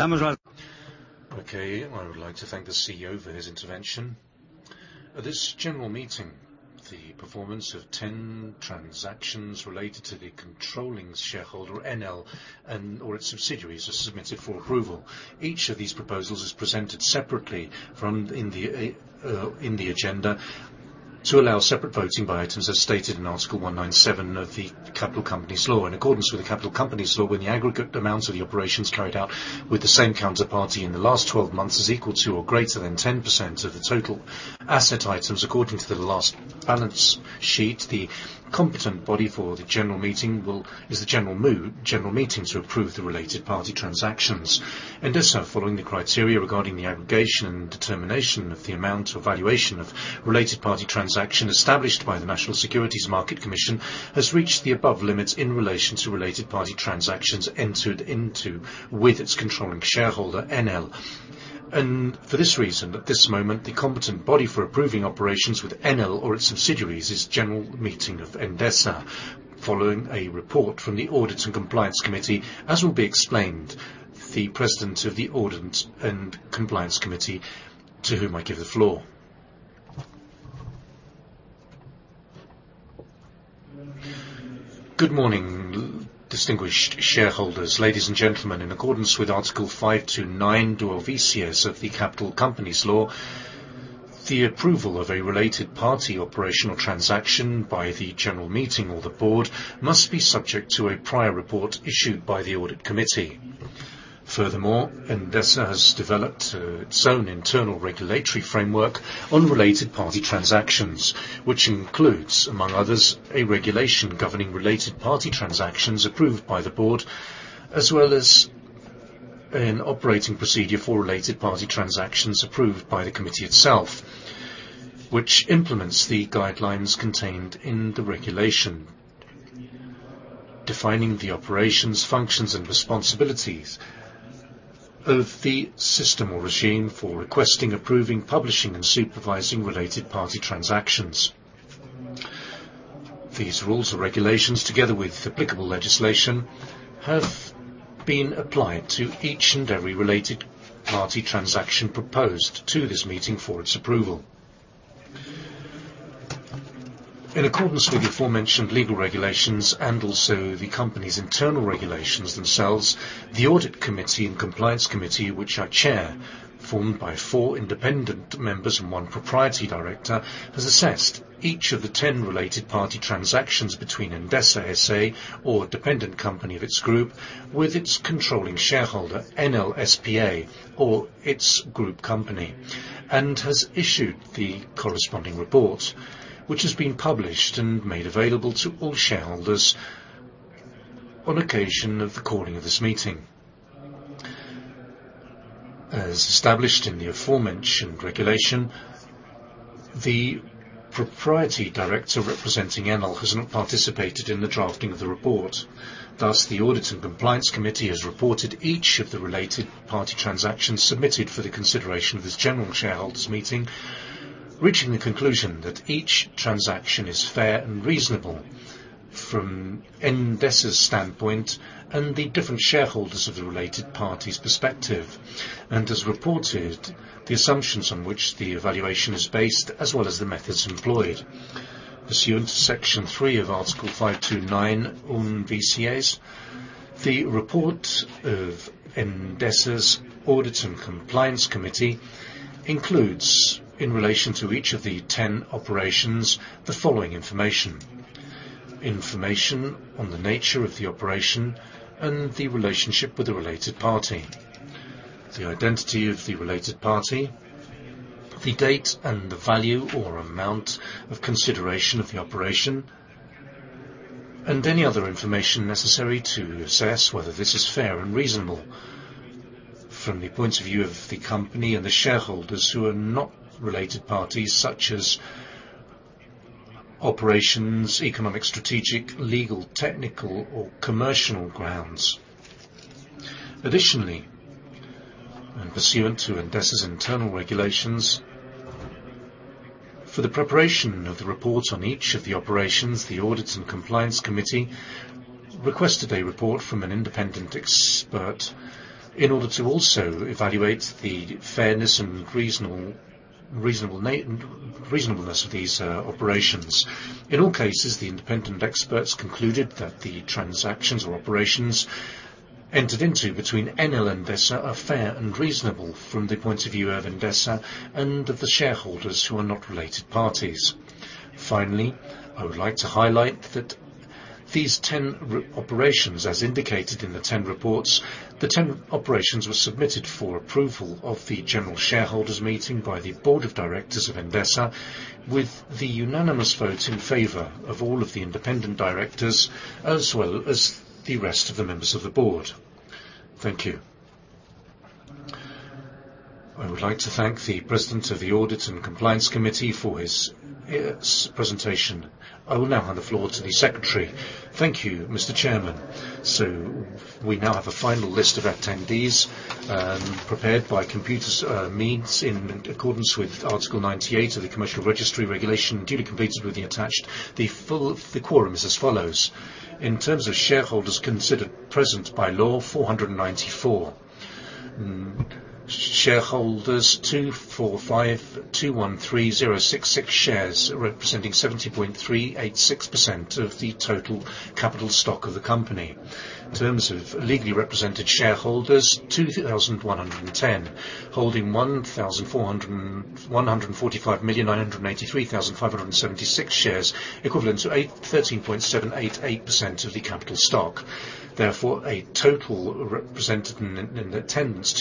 Okay. I would like to thank the CEO for his intervention. At this general meeting, the performance of 10 transactions related to the controlling shareholder, Enel, and/or its subsidiaries are submitted for approval. Each of these proposals is presented separately from in the agenda to allow separate voting by items as stated in Article 197 of the Capital Companies Law. In accordance with the Capital Companies Law, when the aggregate amount of the operations carried out with the same counterparty in the last 12 months is equal to or greater than 10% of the total asset items according to the last balance sheet, the competent body for the general meeting is the general meeting to approve the related party transactions. Endesa, following the criteria regarding the aggregation and determination of the amount or valuation of related party transaction established by the National Securities Market Commission, has reached the above limits in relation to related party transactions entered into with its controlling shareholder, Enel. For this reason, at this moment, the competent body for approving operations with Enel or its subsidiaries is general meeting of Endesa. Following a report from the Audit and Compliance Committee, as will be explained, the President of the Audit and Compliance Committee, to whom I give the floor. Good morning, distinguished shareholders, ladies and gentlemen. In accordance with Article five two nine duodices of the Capital Companies Law, the approval of a related party operational transaction by the general meeting or the board must be subject to a prior report issued by the audit committee. Furthermore, Endesa has developed its own internal regulatory framework on related party transactions, which includes, among others, a regulation governing related party transactions approved by the board, as well as an operating procedure for related party transactions approved by the committee itself, which implements the guidelines contained in the regulation, defining the operations, functions, and responsibilities of the system or regime for requesting, approving, publishing, and supervising related party transactions. These rules or regulations, together with applicable legislation, have been applied to each and every related party transaction proposed to this meeting for its approval. In accordance with the aforementioned legal regulations and also the company's internal regulations themselves, the Audit Committee and Compliance Committee, which I chair, formed by four independent members and one proprietary director, has assessed each of the 10 related party transactions between Endesa SA or a dependent company of its group with its controlling shareholder, Enel SPA, or its group company, and has issued the corresponding report, which has been published and made available to all shareholders on occasion of the calling of this meeting. As established in the aforementioned regulation, the propriety director representing Enel has not participated in the drafting of the report. The Audit and Compliance Committee has reported each of the related party transactions submitted for the consideration of this general shareholders meeting, reaching the conclusion that each transaction is fair and reasonable from Endesa's standpoint and the different shareholders of the related parties' perspective, and has reported the assumptions on which the evaluation is based, as well as the methods employed. Pursuant to Section three of Article 529 on BCAs, the report of Endesa's Audit and Compliance Committee includes, in relation to each of the 10 operations, the following information. Information on the nature of the operation and the relationship with the related party, the identity of the related party, the date and the value or amount of consideration of the operation, and any other information necessary to assess whether this is fair and reasonable from the point of view of the company and the shareholders who are not related parties, such as operations, economic, strategic, legal, technical, or commercial grounds. Additionally, pursuant to Endesa's internal regulations, for the preparation of the report on each of the operations, the Audit and Compliance Committee requested a report from an independent expert in order to also evaluate the fairness and reasonableness of these operations. In all cases, the independent experts concluded that the transactions or operations entered into between Enel Endesa are fair and reasonable from the point of view of Endesa and of the shareholders who are not related parties. Finally, I would like to highlight that these ten operations, as indicated in the ten reports, the ten operations were submitted for approval of the general shareholders meeting by the Board of Directors of Endesa, with the unanimous vote in favor of all of the independent directors, as well as the rest of the members of the board. Thank you. I would like to thank the President of the Audit and Compliance Committee for his presentation. I will now hand the floor to the Secretary. Thank you, Mr. Chairman. We now have a final list of attendees, prepared by computer means in accordance with Article 98 of the Commercial Registry Regulations, duly completed with the attached. The quorum is as follows. In terms of shareholders considered present by law, 494. Shareholders, 245,213,066 shares, representing 70.386% of the total capital stock of the company. In terms of legally represented shareholders, 2,110, holding 145,983,576 shares, equivalent to 13.788% of the capital stock. Therefore, a total represented in attendance,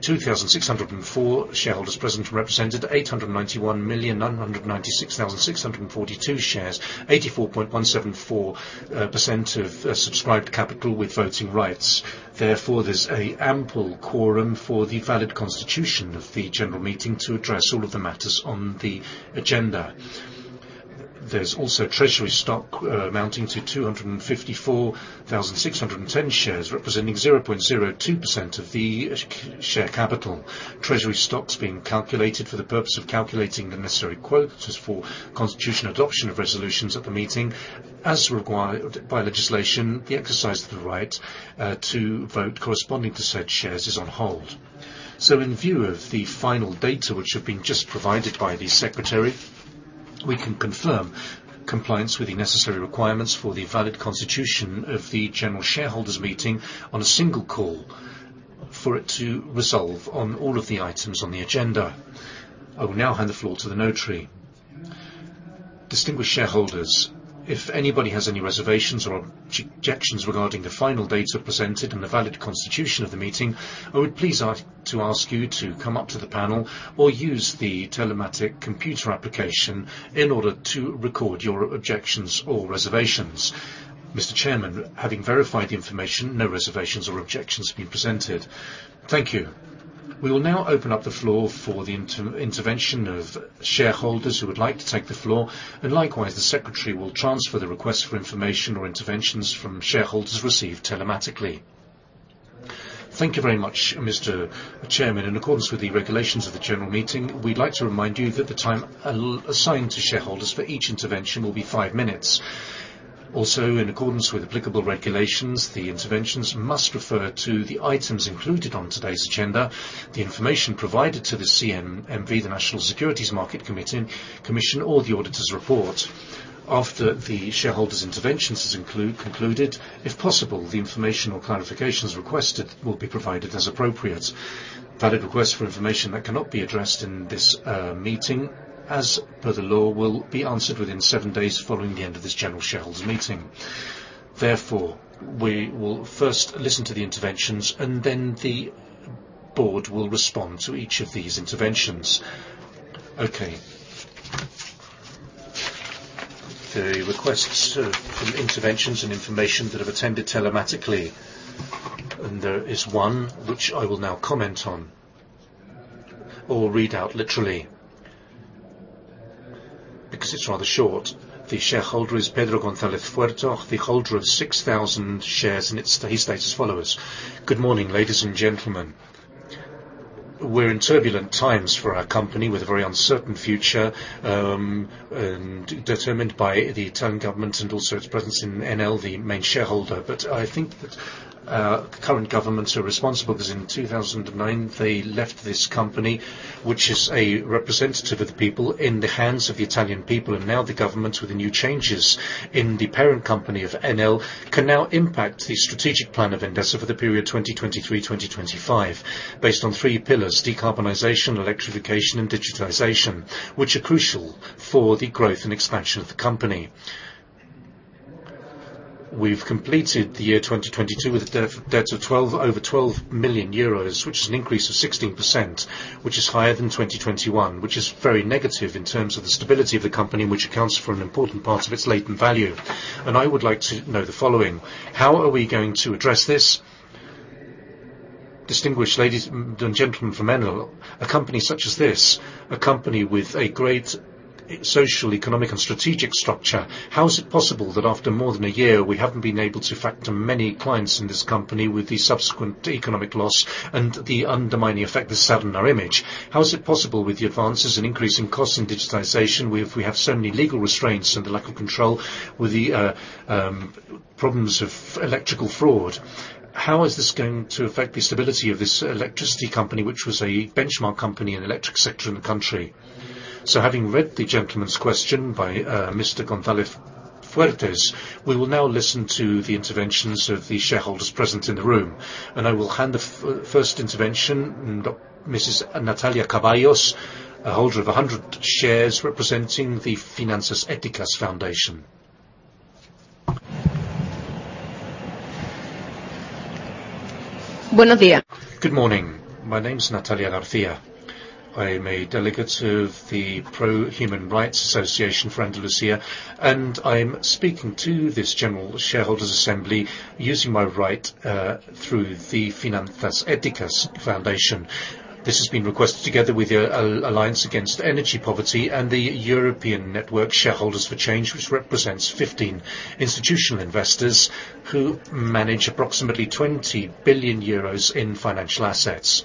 2,604 shareholders present and represented, 891,996,642 shares, 84.174% of subscribed capital with voting rights. Therefore, there's a ample quorum for the valid constitution of the general meeting to address all of the matters on the agenda. There's also treasury stock amounting to 254,610 shares, representing 0.02% of the share capital. Treasury stocks being calculated for the purpose of calculating the necessary quotas for constitution adoption of resolutions at the meeting. As required by legislation, the exercise of the right to vote corresponding to said shares is on hold. In view of the final data which have been just provided by the Secretary, we can confirm compliance with the necessary requirements for the valid constitution of the general shareholders meeting on a single call for it to resolve on all of the items on the agenda. I will now hand the floor to the Notary. Distinguished shareholders, if anybody has any reservations or objections regarding the final data presented and the valid constitution of the meeting, I would please ask you to come up to the panel or use the telematic computer application in order to record your objections or reservations. Mr. Chairman, having verified the information, no reservations or objections have been presented. Thank you. We will now open up the floor for the intervention of shareholders who would like to take the floor. Likewise, the Secretary will transfer the request for information or interventions from shareholders received telematically. Thank you very much, Mr. Chairman. In accordance with the regulations of the general meeting, we'd like to remind you that the time all-assigned to shareholders for each intervention will be five minutes. In accordance with applicable regulations, the interventions must refer to the items included on today's agenda, the information provided to the CNMV, the National Securities Market Commission, or the auditor's report. After the shareholders' interventions is concluded, if possible, the information or clarifications requested will be provided as appropriate. Valid requests for information that cannot be addressed in this meeting, as per the law, will be answered within seven days following the end of this general shareholders meeting. We will first listen to the interventions, and then the board will respond to each of these interventions. Okay. The requests from interventions and information that have attended telematically. There is one which I will now comment on or read out literally, because it's rather short. The shareholder is Pedro Gonzalez Fuertes, the holder of 6,000 shares. He states as follows: Good morning, ladies and gentlemen. We're in turbulent times for our company with a very uncertain future, determined by the Italian Government and also its presence in Enel, the main shareholder. I think that current governments are responsible because in 2009, they left this company, which is a representative of the people in the hands of the Italian people, and now the government with the new changes in the parent company of Enel can now impact the strategic plan of Endesa for the period 2023-2025, based on three pillars: decarbonization, electrification, and digitization, which are crucial for the growth and expansion of the company. We've completed the year 2022 with a debt of over 12 million euros, which is an increase of 16%, which is higher than 2021, which is very negative in terms of the stability of the company, which accounts for an important part of its latent value. I would like to know the following: How are we going to address this? Distinguished ladies and gentlemen from Enel, a company such as this, a company with a great social, economic, and strategic structure, how is it possible that after more than a year, we haven't been able to factor many clients in this company with the subsequent economic loss and the undermining effect this has had on our image? How is it possible with the advances in increase in cost and digitization, we have so many legal restraints and the lack of control with the problems of electrical fraud? How is this going to affect the stability of this electricity company, which was a benchmark company in the electric sector in the country? Having read the gentleman's question by Mr. Gonzalez Fuertes, we will now listen to the interventions of the shareholders present in the room. I will hand the first intervention, Mrs. Natalia Caballos, a holder of 100 shares representing the Finanzas Éticas Foundation. Good morning. My name is Natalia García. I am a delegate of the Pro Human Rights Association for Andalusia, and I'm speaking to this general shareholders assembly using my right through the Finanzas Éticas Foundation. This has been requested together with the Alliance Against Energy Poverty and the European Network Shareholders for Change, which represents 15 institutional investors who manage approximately 20 billion euros in financial assets.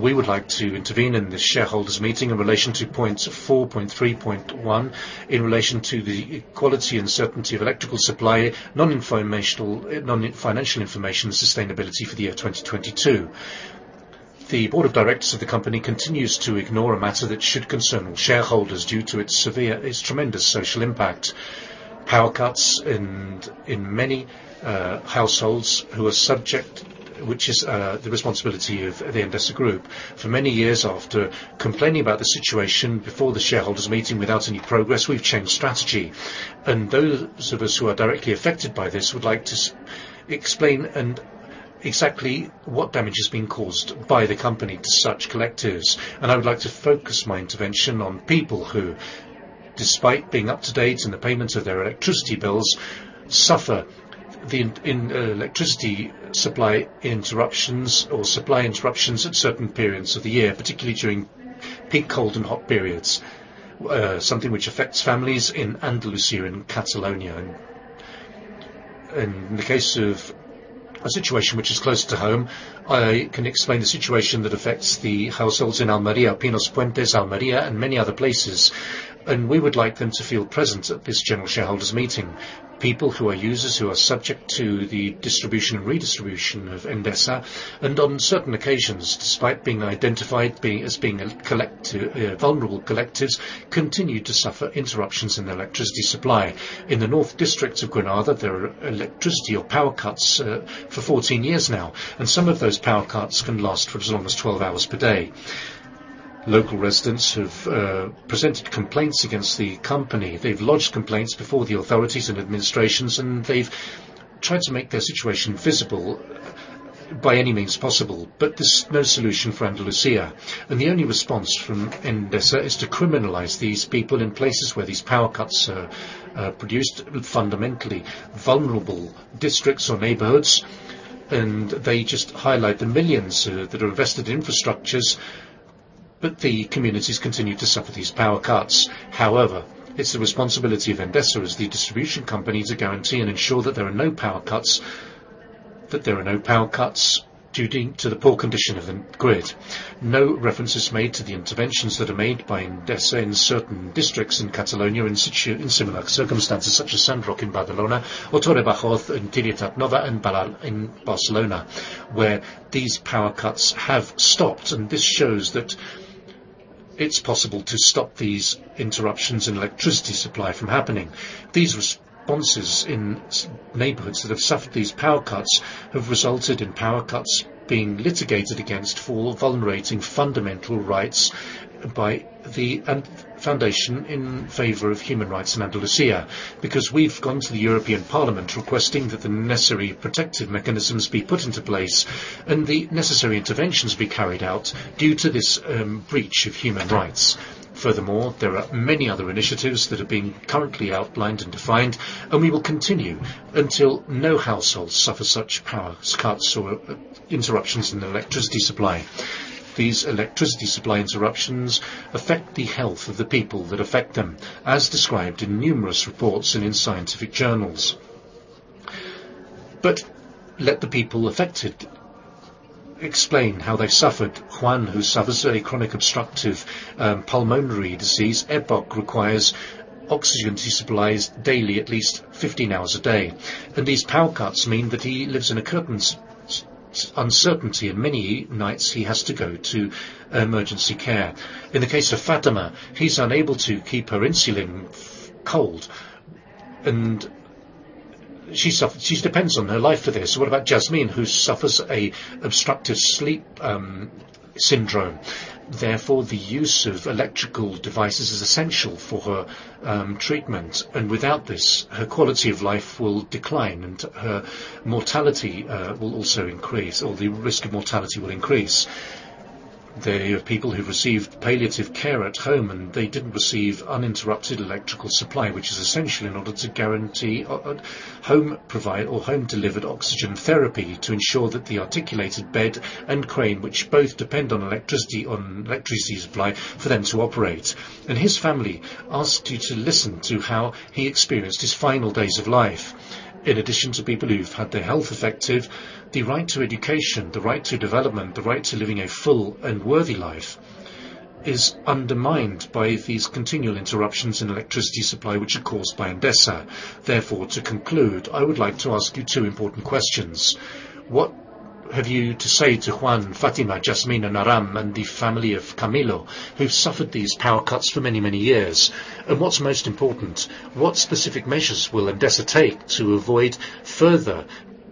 We would like to intervene in this shareholders' meeting in relation to points 4.3.1 in relation to the quality and certainty of electrical supply, non-financial information and sustainability for the year 2022. The Board of Directors of the company continues to ignore a matter that should concern all shareholders due to its severe, its tremendous social impact. Power cuts in many households who are subject, which is the responsibility of the Endesa Group. For many years after complaining about the situation before the shareholders' meeting without any progress, we've changed strategy. Those of us who are directly affected by this would like to explain exactly what damage is being caused by the company to such collectives. I would like to focus my intervention on people who, despite being up to date in the payment of their electricity bills, suffer the electricity supply interruptions or supply interruptions at certain periods of the year, particularly during peak cold and hot periods, something which affects families in Andalusia and Catalonia. In the case of a situation which is closer to home, I can explain the situation that affects the households in Almeria, Pinos Puente, Almeria, and many other places, and we would like them to feel present at this general shareholders' meeting. People who are users who are subject to the distribution and redistribution of Endesa, and on certain occasions, despite being identified as vulnerable collectives, continue to suffer interruptions in their electricity supply. In the north districts of Granada, there are electricity or power cuts for 14 years now, and some of those power cuts can last for as long as 12 hours per day. Local residents have presented complaints against the company. They've lodged complaints before the authorities and administrations, and they've tried to make their situation visible by any means possible. There's no solution for Andalusia. The only response from Endesa is to criminalize these people in places where these power cuts are produced, fundamentally vulnerable districts or neighborhoods, and they just highlight the millions that are invested in infrastructures, but the communities continue to suffer these power cuts. However, it's the responsibility of Endesa as the distribution company to guarantee and ensure that there are no power cuts due to the poor condition of the grid. No reference is made to the interventions that are made by Endesa in certain districts in Catalonia in similar circumstances, such as Sant Roc in Barcelona or Torre Baró in Trinitat Nova and Vallbona in Barcelona, where these power cuts have stopped. This shows that it's possible to stop these interruptions in electricity supply from happening. These responses in neighborhoods that have suffered these power cuts have resulted in power cuts being litigated against for vulnerating fundamental rights by the foundation in favor of human rights in Andalusia. We've gone to the European Parliament requesting that the necessary protective mechanisms be put into place and the necessary interventions be carried out due to this breach of human rights. There are many other initiatives that are being currently outlined and defined, and we will continue until no households suffer such power cuts or interruptions in their electricity supply. These electricity supply interruptions affect the health of the people that affect them, as described in numerous reports and in scientific journals. Let the people affected explain how they suffered. Juan, who suffers a chronic obstructive pulmonary disease, EPOC, requires oxygen to supply his daily at least 15 hours a day. These power cuts mean that he lives in a curtainsUncertainty and many nights he has to go to emergency care. In the case of Fatima, she's unable to keep her insulin cold and she depends on her life for this. What about Jasmine, who suffers a obstructive sleep syndrome? Therefore, the use of electrical devices is essential for her treatment, and without this, her quality of life will decline and her mortality will also increase, or the risk of mortality will increase. They have people who received palliative care at home, and they didn't receive uninterrupted electrical supply, which is essential in order to guarantee home provide or home delivered oxygen therapy to ensure that the articulated bed and crane, which both depend on electricity supply for them to operate. His family asked you to listen to how he experienced his final days of life. In addition to people who've had their health affected, the right to education, the right to development, the right to living a full and worthy life is undermined by these continual interruptions in electricity supply, which are caused by Endesa. Therefore, to conclude, I would like to ask you two important questions. What have you to say to Juan, Fatima, Jasmine, and Aram, and the family of Camilo, who've suffered these power cuts for many, many years? What's most important, what specific measures will Endesa take to avoid further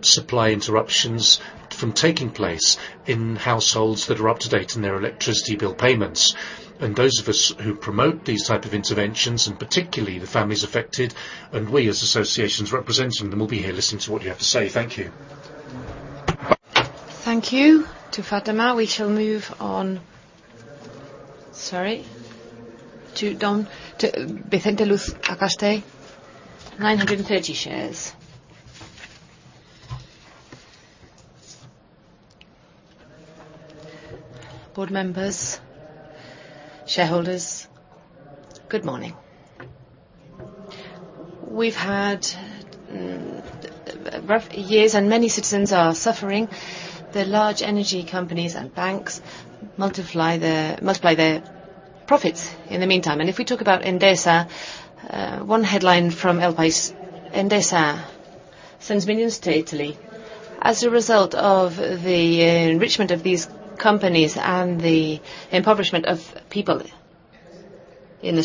supply interruptions from taking place in households that are up to date in their electricity bill payments? Those of us who promote these type of interventions, and particularly the families affected, and we as associations representing them, will be here listening to what you have to say. Thank you. Thank you to Fatima. Sorry. To Vicente Luz Acaste, 930 shares. Board members, shareholders, good morning. We've had rough years and many citizens are suffering. The large energy companies and banks multiply their profits in the meantime. If we talk about Endesa, one headline from El País, Endesa sends millions to Italy. As a result of the enrichment of these companies and the impoverishment of people in the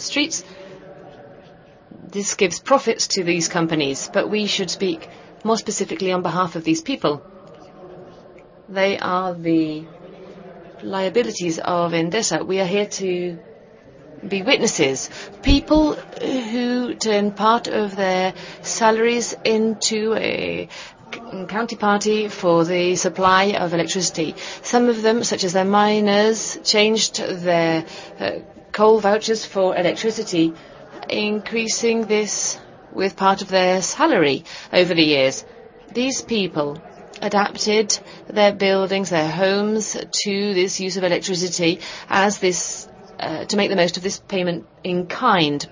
streets, this gives profits to these companies, but we should speak more specifically on behalf of these people. They are the liabilities of Endesa. We are here to be witnesses. People who turn part of their salaries into a county party for the supply of electricity. Some of them, such as the miners, changed their coal vouchers for electricity, increasing this with part of their salary over the years. These people adapted their buildings, their homes, to this use of electricity as this to make the most of this payment in kind.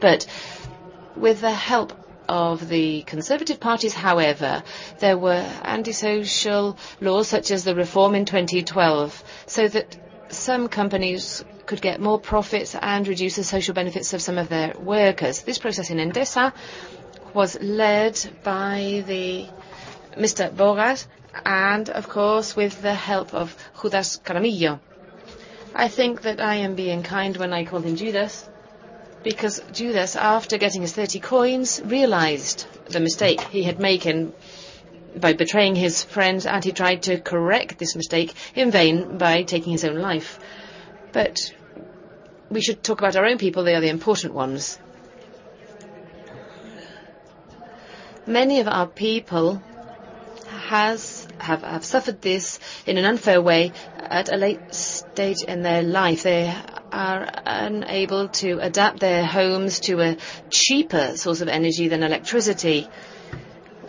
With the help of the conservative parties, however, there were antisocial laws such as the reform in 2012, so that some companies could get more profits and reduce the social benefits of some of their workers. This process in Endesa was led by Mr. Bogas and of course, with the help of Manuel Jaramillo. I think that I am being kind when I call him Judas, because Judas, after getting his 30 coins, realized the mistake he had made and by betraying his friends, and he tried to correct this mistake in vain by taking his own life. We should talk about our own people, they are the important ones. Many of our people have suffered this in an unfair way at a late stage in their life. They are unable to adapt their homes to a cheaper source of energy than electricity.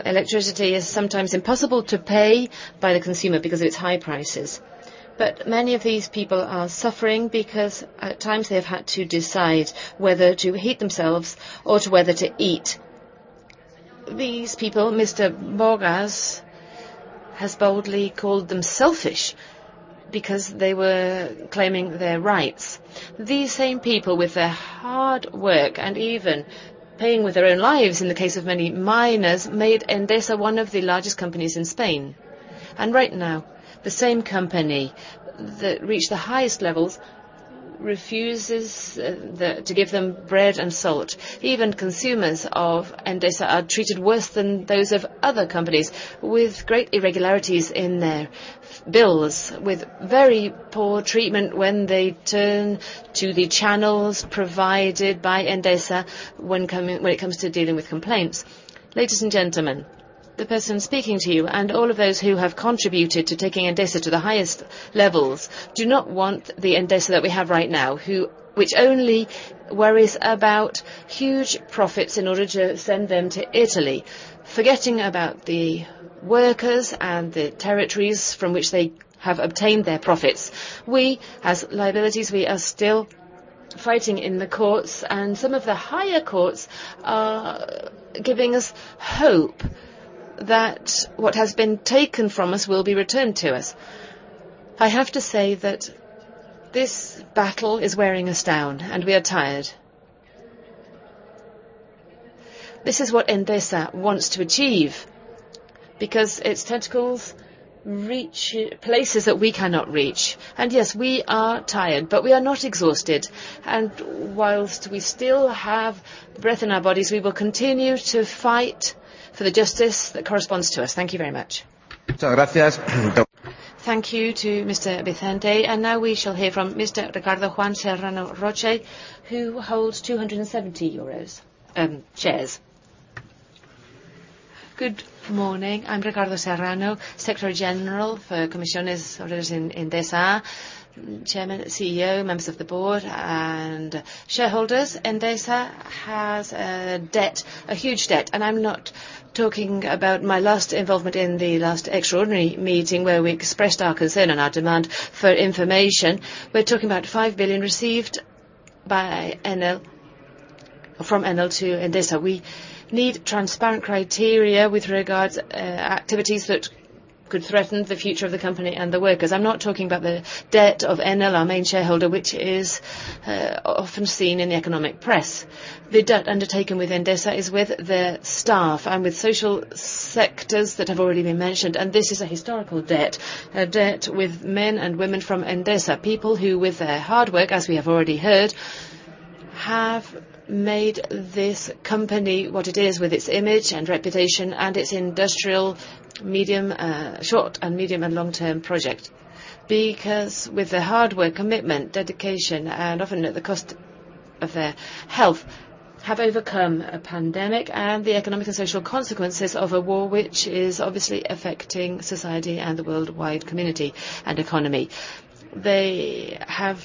Electricity is sometimes impossible to pay by the consumer because of its high prices. Many of these people are suffering because at times they've had to decide whether to heat themselves or to whether to eat. These people, Mr. José Bogas, has boldly called them selfish because they were claiming their rights. These same people, with their hard work and even paying with their own lives in the case of many miners, made Endesa one of the largest companies in Spain. Right now, the same company that reached the highest levels refuses to give them bread and salt. Even consumers of Endesa are treated worse than those of other companies, with great irregularities in their bills, with very poor treatment when they turn to the channels provided by Endesa when it comes to dealing with complaints. Ladies and gentlemen, the person speaking to you and all of those who have contributed to taking Endesa to the highest levels do not want the Endesa that we have right now, which only worries about huge profits in order to send them to Italy, forgetting about the workers and the territories from which they have obtained their profits. We, as liabilities, we are still fighting in the courts. Some of the higher courts are giving us hope that what has been taken from us will be returned to us. I have to say that this battle is wearing us down, and we are tired. This is what Endesa wants to achieve because its tentacles reach places that we cannot reach. Yes, we are tired, but we are not exhausted. While we still have breath in our bodies, we will continue to fight for the justice that corresponds to us. Thank you very much. Thank you to Mr. Vicente. Now we shall hear from Mr. Ricardo Juan Serrano Roche, who holds 270 euros shares. Good morning. I'm Ricardo Serrano, Secretary General for Comisiones Obreras in Endesa. Chairman, CEO, members of the board, and shareholders, Endesa has a debt, a huge debt. I'm not talking about my last involvement in the last extraordinary meeting where we expressed our concern and our demand for information. We're talking about 5 billion received from Enel to Endesa. We need transparent criteria with regards activities that could threaten the future of the company and the workers. I'm not talking about the debt of Enel, our main shareholder, which is often seen in the economic press. The debt undertaken with Endesa is with their staff and with social sectors that have already been mentioned. This is a historical debt, a debt with men and women from Endesa, people who, with their hard work, as we have already heard, have made this company what it is with its image and reputation and its industrial medium, short and medium and long-term project. With their hard work, commitment, dedication, and often at the cost of their health, have overcome a pandemic and the economic and social consequences of a war which is obviously affecting society and the worldwide community and economy. They have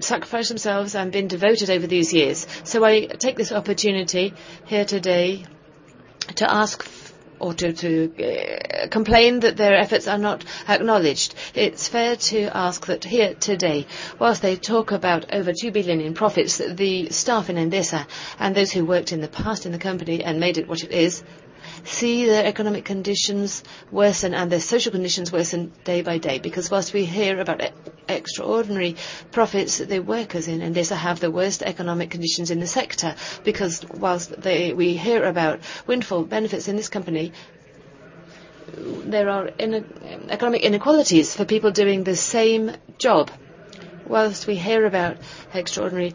sacrificed themselves and been devoted over these years. I take this opportunity here today to ask or to complain that their efforts are not acknowledged. It's fair to ask that here today, while they talk about over 2 billion in profits, the staff in Endesa and those who worked in the past in the company and made it what it is, see their economic conditions worsen and their social conditions worsen day by day. While we hear about extraordinary profits, the workers in Endesa have the worst economic conditions in the sector. While we hear about windfall benefits in this company, there are economic inequalities for people doing the same job. Whilst we hear about extraordinary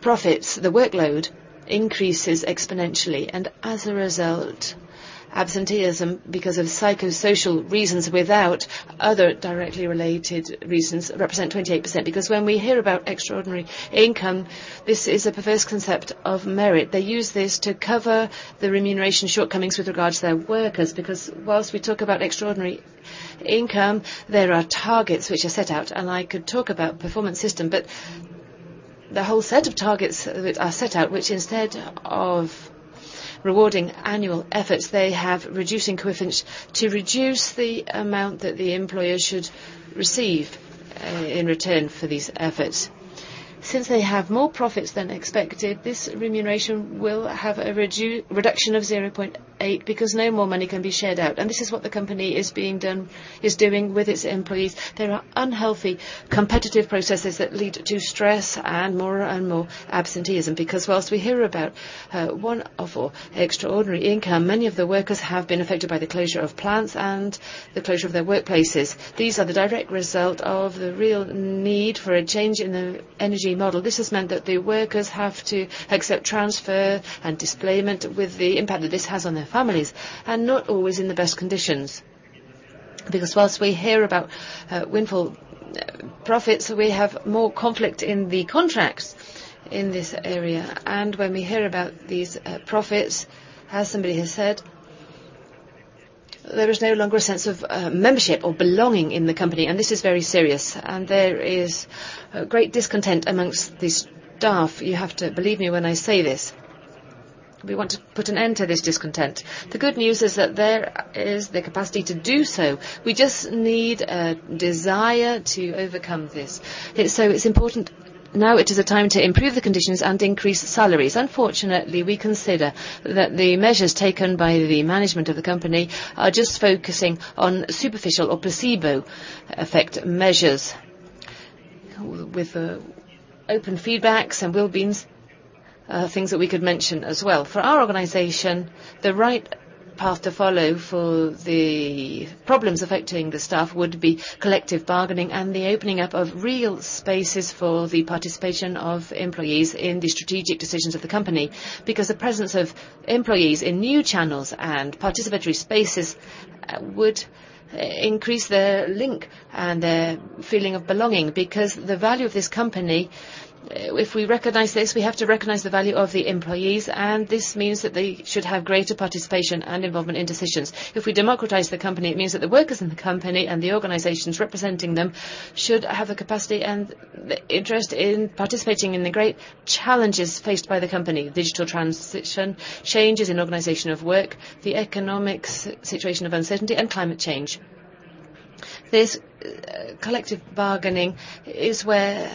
profits, the workload increases exponentially, and as a result, absenteeism because of psychosocial reasons without other directly related reasons represent 28%. When we hear about extraordinary income, this is a perverse concept of merit. They use this to cover the remuneration shortcomings with regards to their workers. Whilst we talk about extraordinary income, there are targets which are set out, and I could talk about performance system. The whole set of targets are set out, which instead of rewarding annual efforts, they have reducing coefficients to reduce the amount that the employer should receive, in return for these efforts. Since they have more profits than expected, this remuneration will have a reduction of 0.8 because no more money can be shared out. This is what the company is doing with its employees. There are unhealthy competitive processes that lead to stress and more and more absenteeism. Whilst we hear about wonderful extraordinary income, many of the workers have been affected by the closure of plants and the closure of their workplaces. These are the direct result of the real need for a change in the energy model. This has meant that the workers have to accept transfer and displacement with the impact that this has on their families, and not always in the best conditions. Because whilst we hear about windfall profits, we have more conflict in the contracts in this area. When we hear about these profits, as somebody has said, there is no longer a sense of membership or belonging in the company, and this is very serious. There is a great discontent amongst the staff. You have to believe me when I say this. We want to put an end to this discontent. The good news is that there is the capacity to do so. We just need a desire to overcome this. It's so it's important. Now it is a time to improve the conditions and increase salaries. Unfortunately, we consider that the measures taken by the management of the company are just focusing on superficial or placebo effect measures with open feedbacks and well-beings, things that we could mention as well. For our organization, the right path to follow for the problems affecting the staff would be collective bargaining and the opening up of real spaces for the participation of employees in the strategic decisions of the company. Because the presence of employees in new channels and participatory spaces would increase their link and their feeling of belonging. Because the value of this company, if we recognize this, we have to recognize the value of the employees, and this means that they should have greater participation and involvement in decisions. If we democratize the company, it means that the workers in the company and the organizations representing them should have the capacity and the interest in participating in the great challenges faced by the company: digital transition, changes in organization of work, the economic situation of uncertainty, and climate change. This collective bargaining is where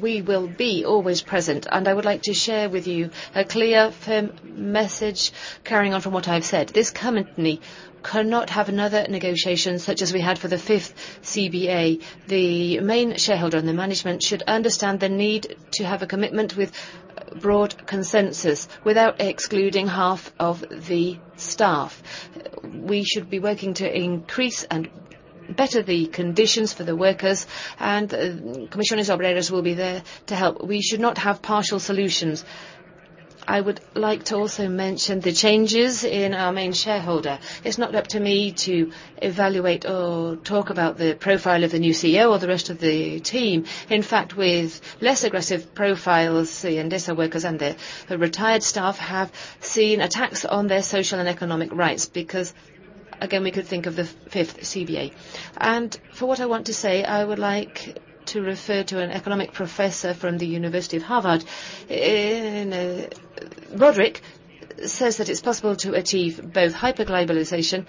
we will be always present. I would like to share with you a clear, firm message carrying on from what I've said. This company cannot have another negotiation such as we had for the fifth CBA. The main shareholder and the management should understand the need to have a commitment with broad consensus without excluding half of the staff. We should be working to increase and better the conditions for the workers. Comisiones Obreras will be there to help. We should not have partial solutions. I would like to also mention the changes in our main shareholder. It's not up to me to evaluate or talk about the profile of the new CEO or the rest of the team. In fact, with less aggressive profiles, the Endesa workers and the retired staff have seen attacks on their social and economic rights, because again, we could think of the fifth CBA. For what I want to say, I would like to refer to an economic professor from the University of Harvard. In Rodrik says that it's possible to achieve both hyperglobalization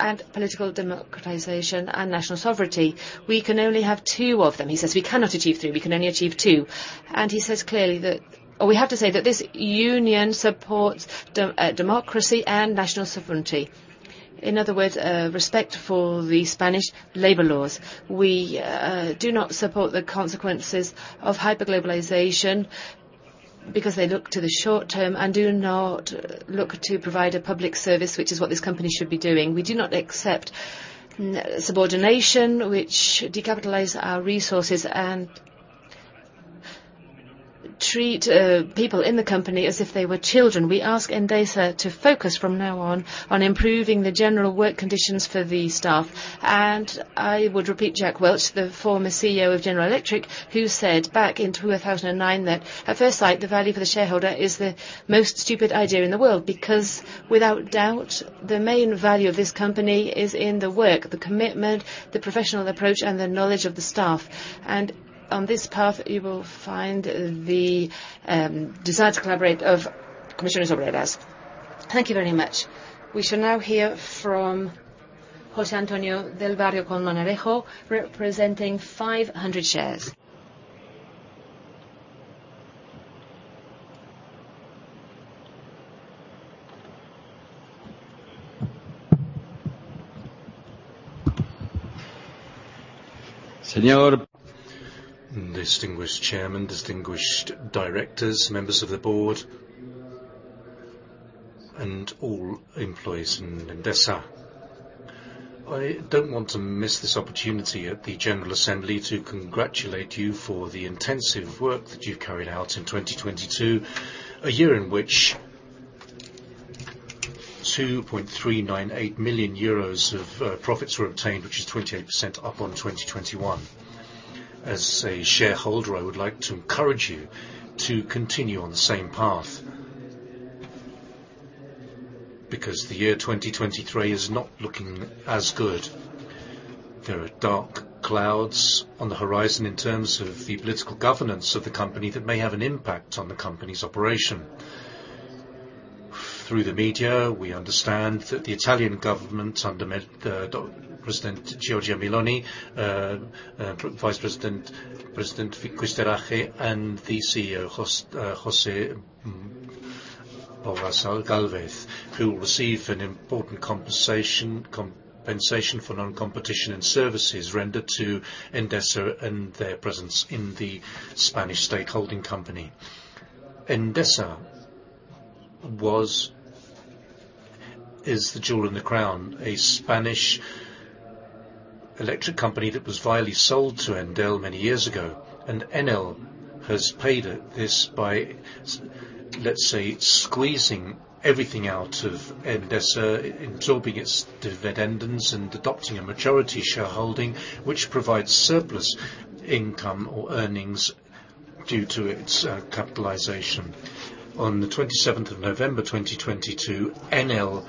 and political democratization and national sovereignty. We can only have two of them. He says we cannot achieve three, we can only achieve two. He says clearly that we have to say that this union supports democracy and national sovereignty. In other words, respect for the Spanish labor laws. We do not support the consequences of hyperglobalization because they look to the short term and do not look to provide a public service, which is what this company should be doing. We do not accept n-subordination, which decapitalize our resources and treat people in the company as if they were children. We ask Endesa to focus from now on improving the general work conditions for the staff. I would repeat Jack Welch, the former CEO of General Electric, who said back in 2009 that, "At first sight, the value for the shareholder is the most stupid idea in the world," because without doubt, the main value of this company is in the work, the commitment, the professional approach, and the knowledge of the staff. On this path, you will find the desire to collaborate of Comisiones Obreras. Thank you very much. We shall now hear from José Antonio del Barrio Colmenarejo, representing 500 shares. Señor, distinguished chairman, distinguished directors, members of the board, and all employees in Endesa. I don't want to miss this opportunity at the general assembly to congratulate you for the intensive work that you've carried out in 2022, a year in which 2.398 million euros of profits were obtained, which is 28% up on 2021. As a shareholder, I would like to encourage you to continue on the same path. The year 2023 is not looking as good. There are dark clouds on the horizon in terms of the political governance of the company that may have an impact on the company's operation. Through the media, we understand that the Italian government under President Giorgia Meloni, Vice President Fitzcarraldo, and the CEO, José Bogas Gálvez, who will receive an important compensation for non-competition and services rendered to Endesa and their presence in the Spanish stakeholding company. Endesa is the jewel in the crown, a Spanish electric company that was vitally sold to Enel many years ago, and Enel has paid it, this by, let's say, squeezing everything out of Endesa, absorbing its dividends, and adopting a majority shareholding, which provides surplus income or earnings due to its capitalization. On the 27th of November, 2022, Enel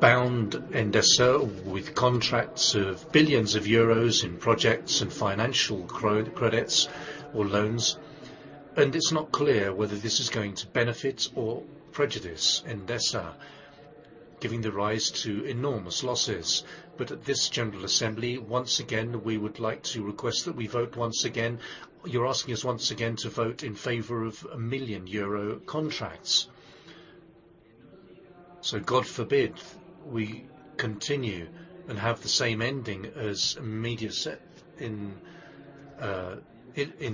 bound Endesa with contracts of billions euros in projects and financial credits or loans, and it's not clear whether this is going to benefit or prejudice Endesa, giving the rise to enormous losses. At this general assembly, once again, we would like to request that we vote once again. You're asking us once again to vote in favor of 1 million euro contracts. God forbid we continue and have the same ending as Mediaset in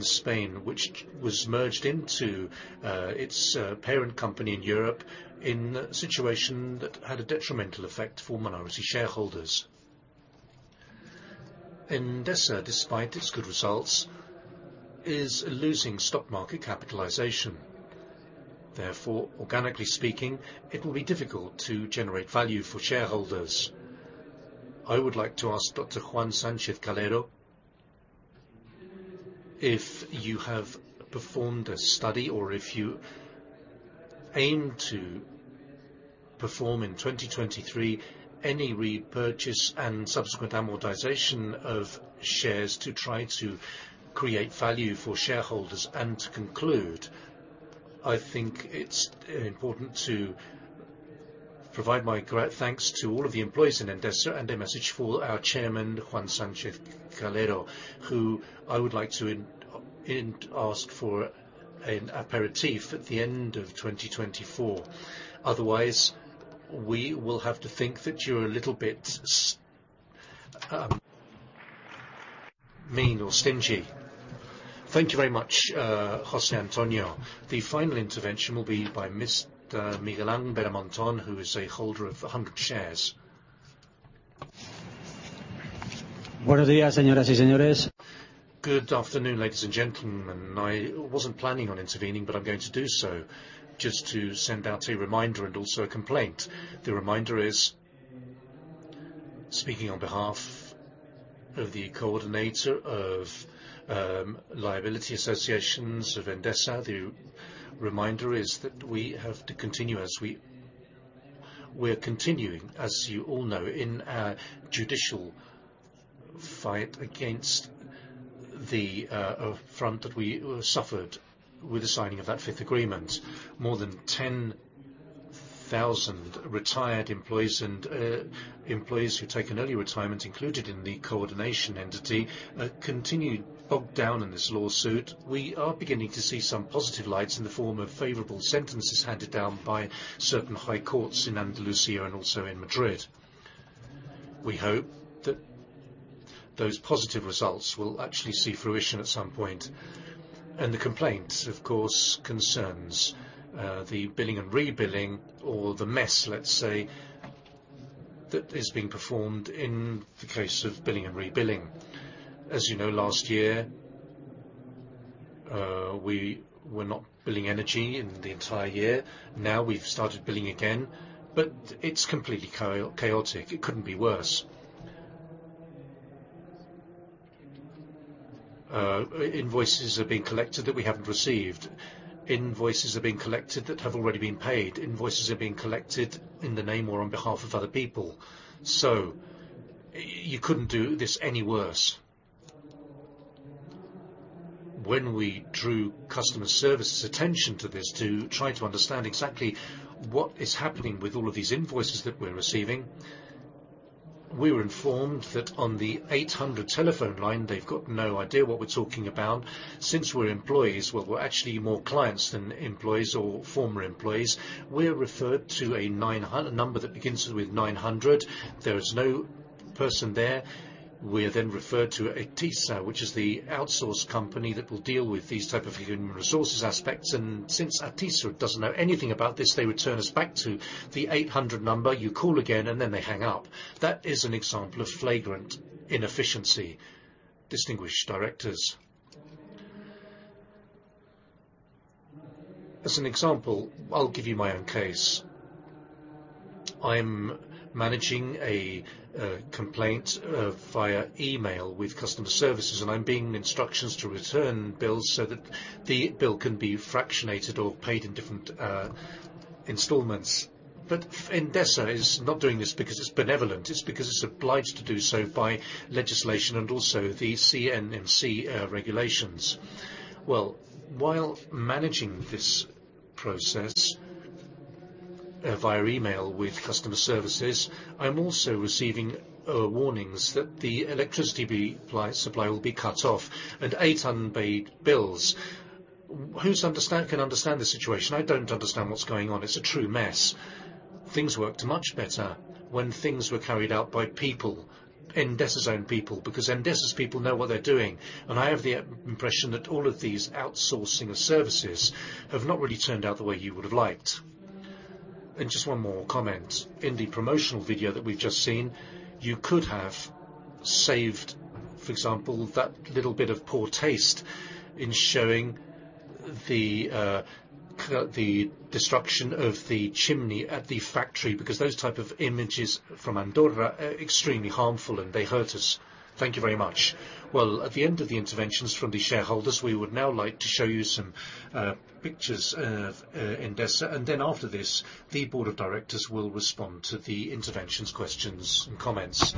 Spain, which was merged into its parent company in Europe in a situation that had a detrimental effect for minority shareholders. Endesa, despite its good results, is losing stock market capitalization. Therefore, organically speaking, it will be difficult to generate value for shareholders. I would like to ask Dr. Juan Sánchez-Calero if you have performed a study or if you aim to perform in 2023 any repurchase and subsequent amortization of shares to try to create value for shareholders. To conclude, I think it's important to provide my great thanks to all of the employees in Endesa, and a message for our chairman, Juan Sánchez-Calero, who I would like to ask for an aperitif at the end of 2024. Otherwise, we will have to think that you're a little bit Mean or stingy. Thank you very much, Jose Antonio. The final intervention will be by Mr. Miguel Angel Beramontón, who is a holder of 100 shares. Good afternoon, ladies and gentlemen. I wasn't planning on intervening, but I'm going to do so just to send out a reminder and also a complaint. The reminder is, speaking on behalf of the coordinator of liability associations of Endesa, the reminder is that we have to continue as we're continuing, as you all know, in our judicial fight against the affront that we suffered with the signing of that fifth agreement. More than 10,000 retired employees and employees who take an early retirement included in the coordination entity continue bogged down in this lawsuit. We are beginning to see some positive lights in the form of favorable sentences handed down by certain high courts in Andalusia and also in Madrid. We hope that those positive results will actually see fruition at some point. The complaint, of course, concerns the billing and rebilling or the mess, let's say, that is being performed in the case of billing and rebilling. As you know, last year, we were not billing energy in the entire year. Now we've started billing again, it's completely chaotic. It couldn't be worse. Invoices are being collected that we haven't received. Invoices are being collected that have already been paid. Invoices are being collected in the name or on behalf of other people. You couldn't do this any worse. When we drew customer service's attention to this to try to understand exactly what is happening with all of these invoices that we're receiving, we were informed that on the 800 telephone line, they've got no idea what we're talking about. Since we're employees, well, we're actually more clients than employees or former employees, we're referred to a number that begins with 900. There is no person there. We are then referred to Atisa, which is the outsource company that will deal with these type of human resources aspects. Since Atisa doesn't know anything about this, they return us back to the 800 number, you call again, and then they hang up. That is an example of flagrant inefficiency, distinguished directors. As an example, I'll give you my own case. I'm managing a complaint via email with customer services, and I'm being instructions to return bills so that the bill can be fractionated or paid in different installments. Endesa is not doing this because it's benevolent, it's because it's obliged to do so by legislation and also the CNMC regulations. While managing this process via email with customer services, I'm also receiving warnings that the electricity supply will be cut off and eight unpaid bills. Whose can understand the situation? I don't understand what's going on. It's a true mess. Things worked much better when things were carried out by people, Endesa's own people, because Endesa's people know what they're doing, and I have the impression that all of these outsourcing services have not really turned out the way you would have liked. Just one more comment. In the promotional video that we've just seen, you could have saved, for example, that little bit of poor taste in showing the destruction of the chimney at the factory, because those type of images from Andorra are extremely harmful, and they hurt us. Thank you very much. At the end of the interventions from the shareholders, we would now like to show you some pictures of Endesa. After this, the board of directors will respond to the interventions, questions, and comments.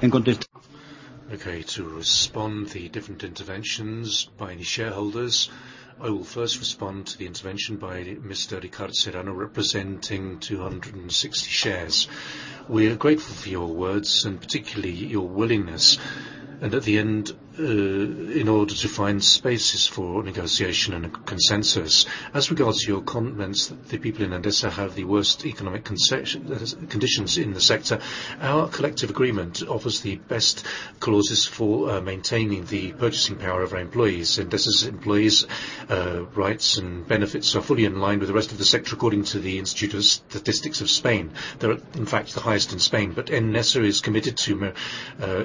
Okay. To respond the different interventions by any shareholders, I will first respond to the intervention by Mr. Ricardo Serrano, representing 260 shares. We are grateful for your words and particularly your willingness, and at the end, in order to find spaces for negotiation and a consensus. As regards to your comments, the people in Endesa have the worst economic conditions in the sector. Our collective agreement offers the best clauses for maintaining the purchasing power of our employees. Endesa's employees, rights and benefits are fully in line with the rest of the sector, according to the National Statistics Institute. They're, in fact, the highest in Spain. Endesa is committed to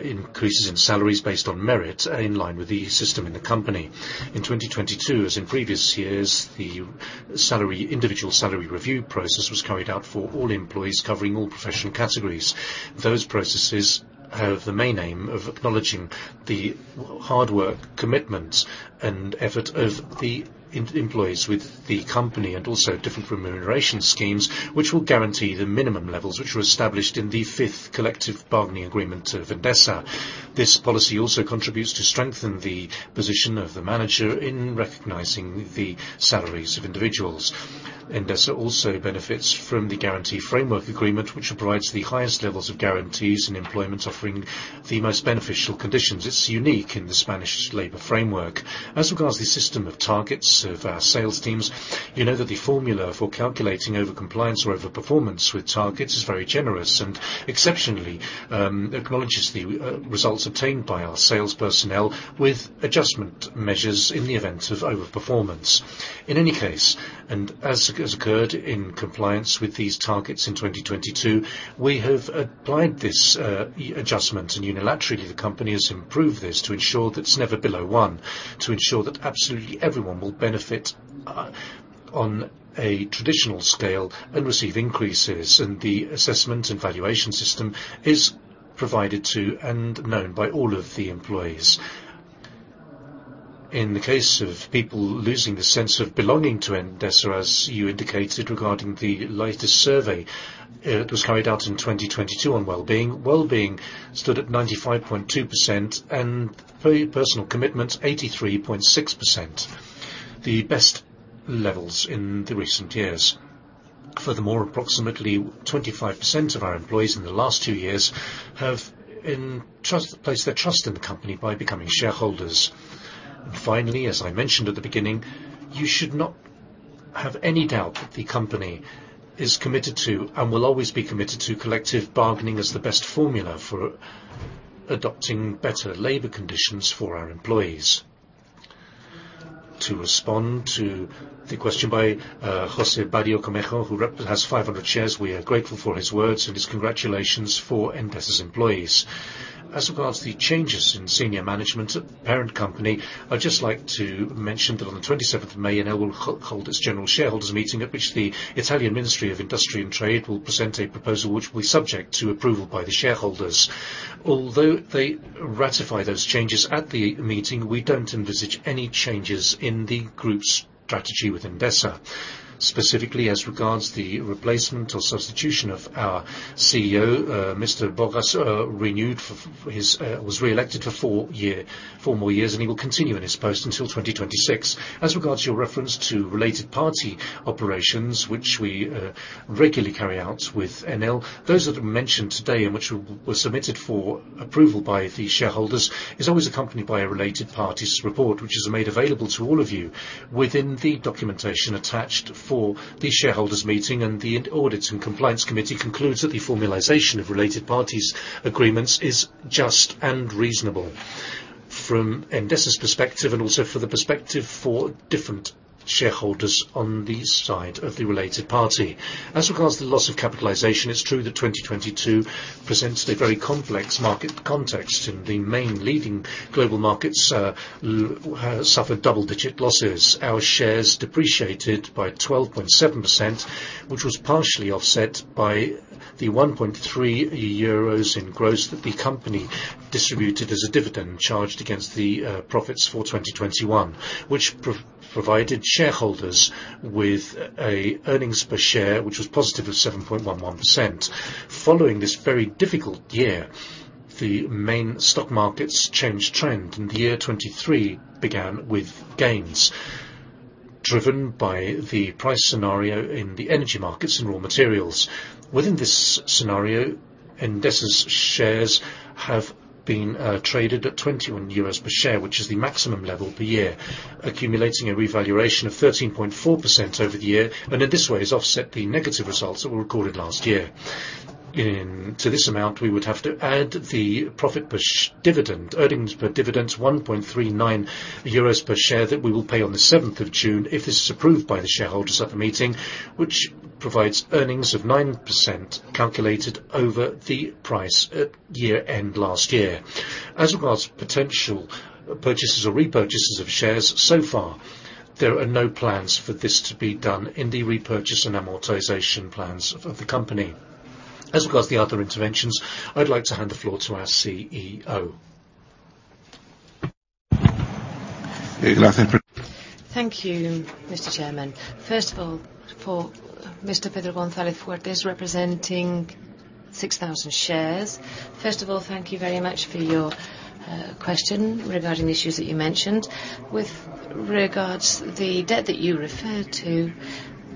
increases in salaries based on merit, in line with the system in the company. In 2022, as in previous years, the individual salary review process was carried out for all employees, covering all professional categories. Those processes have the main aim of acknowledging the hard work, commitment, and effort of the employees with the company, and also different remuneration schemes, which will guarantee the minimum levels which were established in the fifth collective bargaining agreement of Endesa. This policy also contributes to strengthen the position of the manager in recognizing the salaries of individuals. Endesa also benefits from the Guarantee Framework Agreement, which provides the highest levels of guarantees in employment, offering the most beneficial conditions. It's unique in the Spanish labor framework. As regards the system of targets of our sales teams, you know that the formula for calculating overcompliance or overperformance with targets is very generous and exceptionally acknowledges the results obtained by our sales personnel with adjustment measures in the event of overperformance. In any case, and as occurred in compliance with these targets in 2022, we have applied this adjustment. Unilaterally, the company has improved this to ensure that it's never below one, to ensure that absolutely everyone will benefit on a traditional scale and receive increases. The assessment and valuation system is provided to and known by all of the employees. In the case of people losing the sense of belonging to Endesa, as you indicated regarding the latest survey, that was carried out in 2022 on well-being, well-being stood at 95.2% and personal commitment 83.6%, the best levels in the recent years. Furthermore, approximately 25% of our employees in the last two years have placed their trust in the company by becoming shareholders. Finally, as I mentioned at the beginning, you should not have any doubt that the company is committed to and will always be committed to collective bargaining as the best formula for adopting better labor conditions for our employees. To respond to the question by José Badillo Camejo, who has 500 shares, we are grateful for his words and his congratulations for Endesa's employees. As regards to the changes in senior management at the parent company, I'd just like to mention that on the 27th of May, Enel will hold its general shareholders meeting at which the Italian Ministry of Industrial and Trade will present a proposal which will be subject to approval by the shareholders. Although they ratify those changes at the meeting, we don't envisage any changes in the group's strategy with Endesa. Specifically, as regards the replacement or substitution of our CEO, Mr. Bogas was reelected for four more years, and he will continue in his post until 2026. As regards to your reference to related party operations, which we regularly carry out with Enel, those that are mentioned today and which were submitted for approval by the shareholders is always accompanied by a related parties report, which is made available to all of you within the documentation attached for the shareholders meeting. The Audit and Compliance Committee concludes that the formulization of related parties agreements is just and reasonable from Endesa's perspective and also for the perspective for different shareholders on the side of the related party. As regards to the loss of capitalization, it's true that 2022 presented a very complex market context, and the main leading global markets suffered double-digit losses. Our shares depreciated by 12.7%, which was partially offset by the 1.3 euros in gross that the company distributed as a dividend charged against the profits for 2021, which provided shareholders with a earnings per share, which was positive of 7.11%. Following this very difficult year, the main stock markets changed trend, and the year 2023 began with gains driven by the price scenario in the energy markets and raw materials. Within this scenario, Endesa's shares have been traded at 21 euros per share, which is the maximum level the year, accumulating a revaluation of 13.4% over the year, and in this way has offset the negative results that were recorded last year. To this amount, we would have to add the profit per dividend... earnings per dividend, 1.39 euros per share that we will pay on the seventh of June if this is approved by the shareholders at the meeting, which provides earnings of 9% calculated over the price at year-end last year. As regards to potential purchases or repurchases of shares, so far there are no plans for this to be done in the repurchase and amortization plans of the company. As regards the other interventions, I'd like to hand the floor to our CEO. Thank you, Mr. Chairman. First of all, for Mr. Pedro Gonzalez Fuertes, representing 6,000 shares. First of all, thank you very much for your question regarding the issues that you mentioned. With regards the debt that you referred to,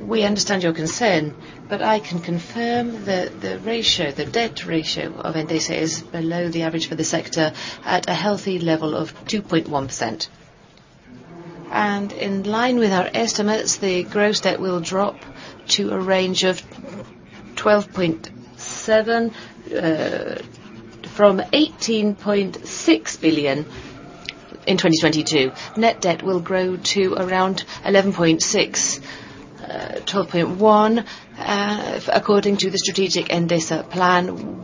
we understand your concern, but I can confirm that the ratio, the debt ratio of Endesa is below the average for the sector at a healthy level of 2.1%. In line with our estimates, the gross debt will drop to a range of 12.7 billion from 18.6 billion in 2022. Net debt will grow to around 11.6 billion-12.1 billion according to the strategic Endesa plan.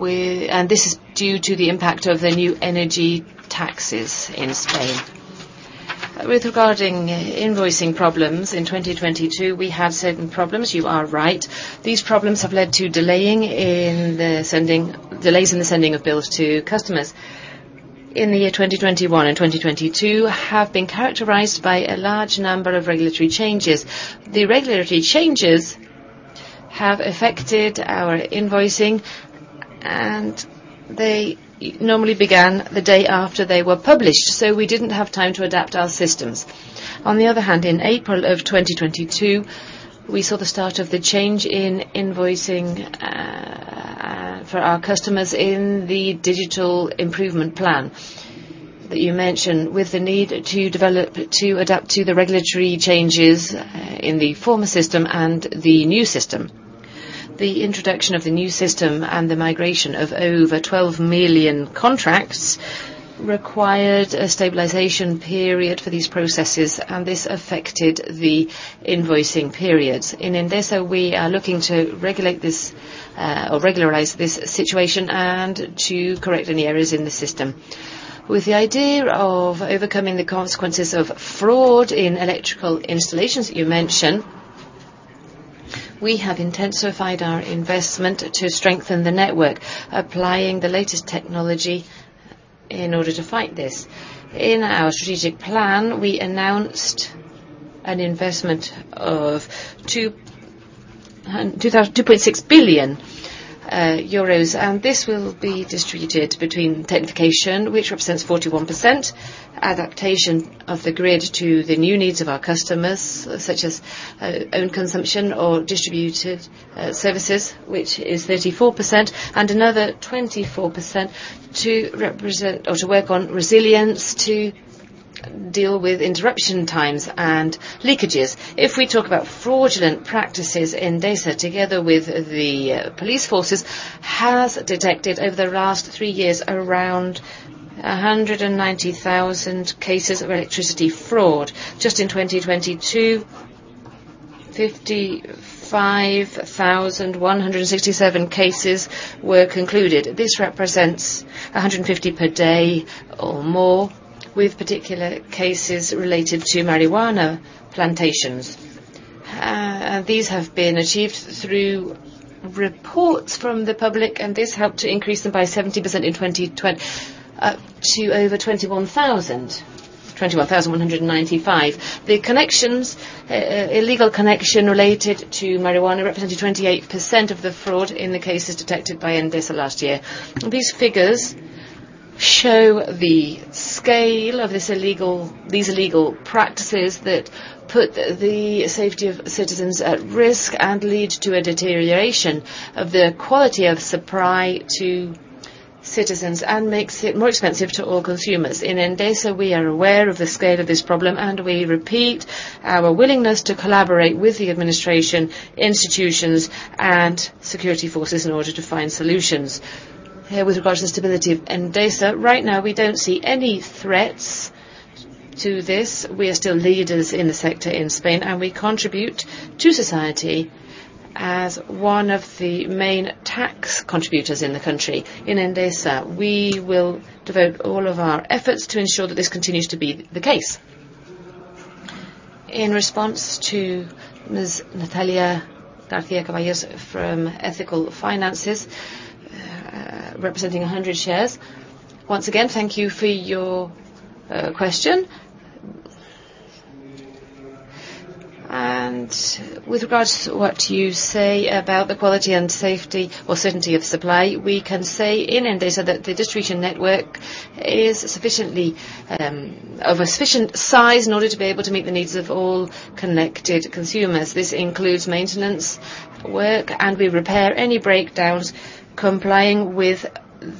This is due to the impact of the new energy taxes in Spain. With regarding invoicing problems in 2022, we have certain problems. You are right. These problems have led to delays in the sending of bills to customers. In the year 2021 and 2022 have been characterized by a large number of regulatory changes. The regulatory changes have affected our invoicing, and they normally began the day after they were published, so we didn't have time to adapt our systems. On the other hand, in April of 2022, we saw the start of the change in invoicing for our customers in the digital improvement plan that you mentioned, with the need to develop to adapt to the regulatory changes in the former system and the new system. The introduction of the new system and the migration of over 12 million contracts required a stabilization period for these processes, and this affected the invoicing periods. In Endesa, we are looking to regulate this or regularize this situation and to correct any errors in the system. With the idea of overcoming the consequences of fraud in electrical installations you mention, we have intensified our investment to strengthen the network, applying the latest technology in order to fight this. In our strategic plan, we announced an investment of 2.6 billion euros, and this will be distributed between technification, which represents 41%, adaptation of the grid to the new needs of our customers, such as own consumption or distributed services, which is 34%, and another 24% to represent or to work on resilience to deal with interruption times and leakages. If we talk about fraudulent practices, Endesa, together with the police forces, has detected over the last three years around 190,000 cases of electricity fraud. Just in 2022, 55,167 cases were concluded. This represents 150 per day or more, with particular cases related to marijuana plantations. These have been achieved through reports from the public, this helped to increase them by 70% to over 21,195. The connections, illegal connection related to marijuana represented 28% of the fraud in the cases detected by Endesa last year. These figures show the scale of this illegal... these illegal practices that put the safety of citizens at risk and lead to a deterioration of the quality of supply to citizens and makes it more expensive to all consumers. In Endesa, we are aware of the scale of this problem, and we repeat our willingness to collaborate with the administration, institutions, and security forces in order to find solutions. With regards to stability of Endesa, right now, we don't see any threats to this. We are still leaders in the sector in Spain, and we contribute to society as one of the main tax contributors in the country. In Endesa, we will devote all of our efforts to ensure that this continues to be the case. In response to Ms. Natalia García Caballos from Ethical Finances, representing 100 shares. Once again, thank you for your question. With regards to what you say about the quality and safety or certainty of supply, we can say in Endesa that the distribution network is sufficiently of sufficient size in order to be able to meet the needs of all connected consumers. This includes maintenance work, and we repair any breakdowns complying with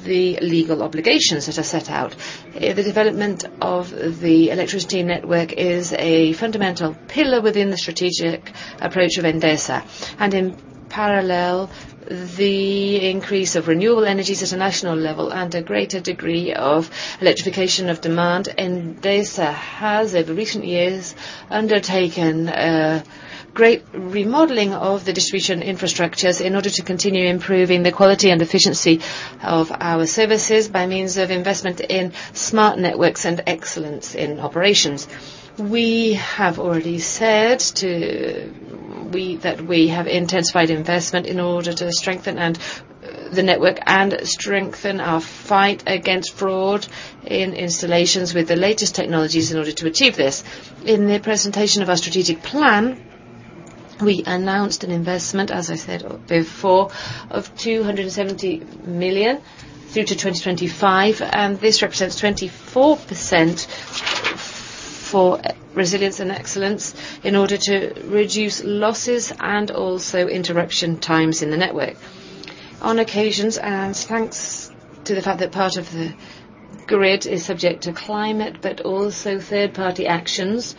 the legal obligations that are set out. The development of the electricity network is a fundamental pillar within the strategic approach of Endesa. In parallel, the increase of renewable energies at a national level and a greater degree of electrification of demand, Endesa has, over recent years, undertaken a great remodeling of the distribution infrastructures in order to continue improving the quality and efficiency of our services by means of investment in smart networks and excellence in operations. We have already said that we have intensified investment in order to strengthen the network and strengthen our fight against fraud in installations with the latest technologies in order to achieve this. In the presentation of our strategic plan, we announced an investment, as I said before, of 270 million through to 2025. This represents 24% for resilience and excellence in order to reduce losses and also interruption times in the network. On occasions, thanks to the fact that part of the grid is subject to climate but also third-party actions,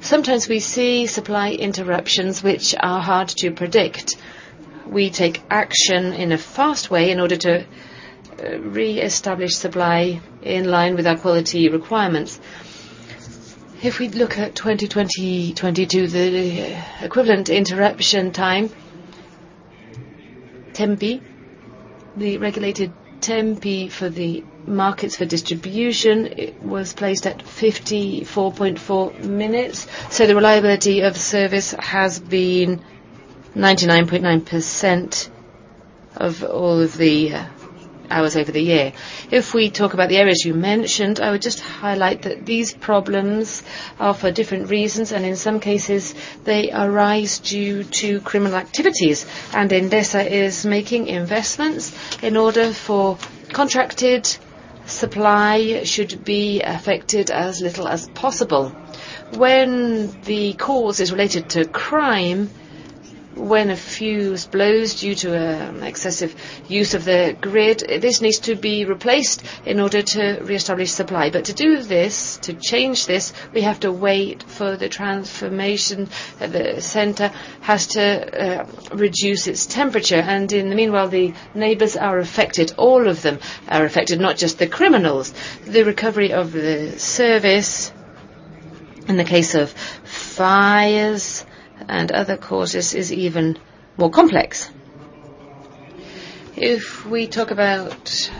sometimes we see supply interruptions which are hard to predict. We take action in a fast way in order to reestablish supply in line with our quality requirements. We look at 2020, 2022, the equivalent interruption time, TEMPI, the regulated TEMPI for the markets for distribution, it was placed at 54.4 minutes. The reliability of service has been 99.9% of all of the hours over the year. We talk about the areas you mentioned, I would just highlight that these problems are for different reasons, in some cases, they arise due to criminal activities. Endesa is making investments in order for contracted supply should be affected as little as possible. When the cause is related to crime, when a fuse blows due to excessive use of the grid, this needs to be replaced in order to reestablish supply. To do this, to change this, we have to wait for the transformation at the center, has to reduce its temperature. In the meanwhile, the neighbors are affected. All of them are affected, not just the criminals. The recovery of the service in the case of fires and other causes is even more complex. If we talk about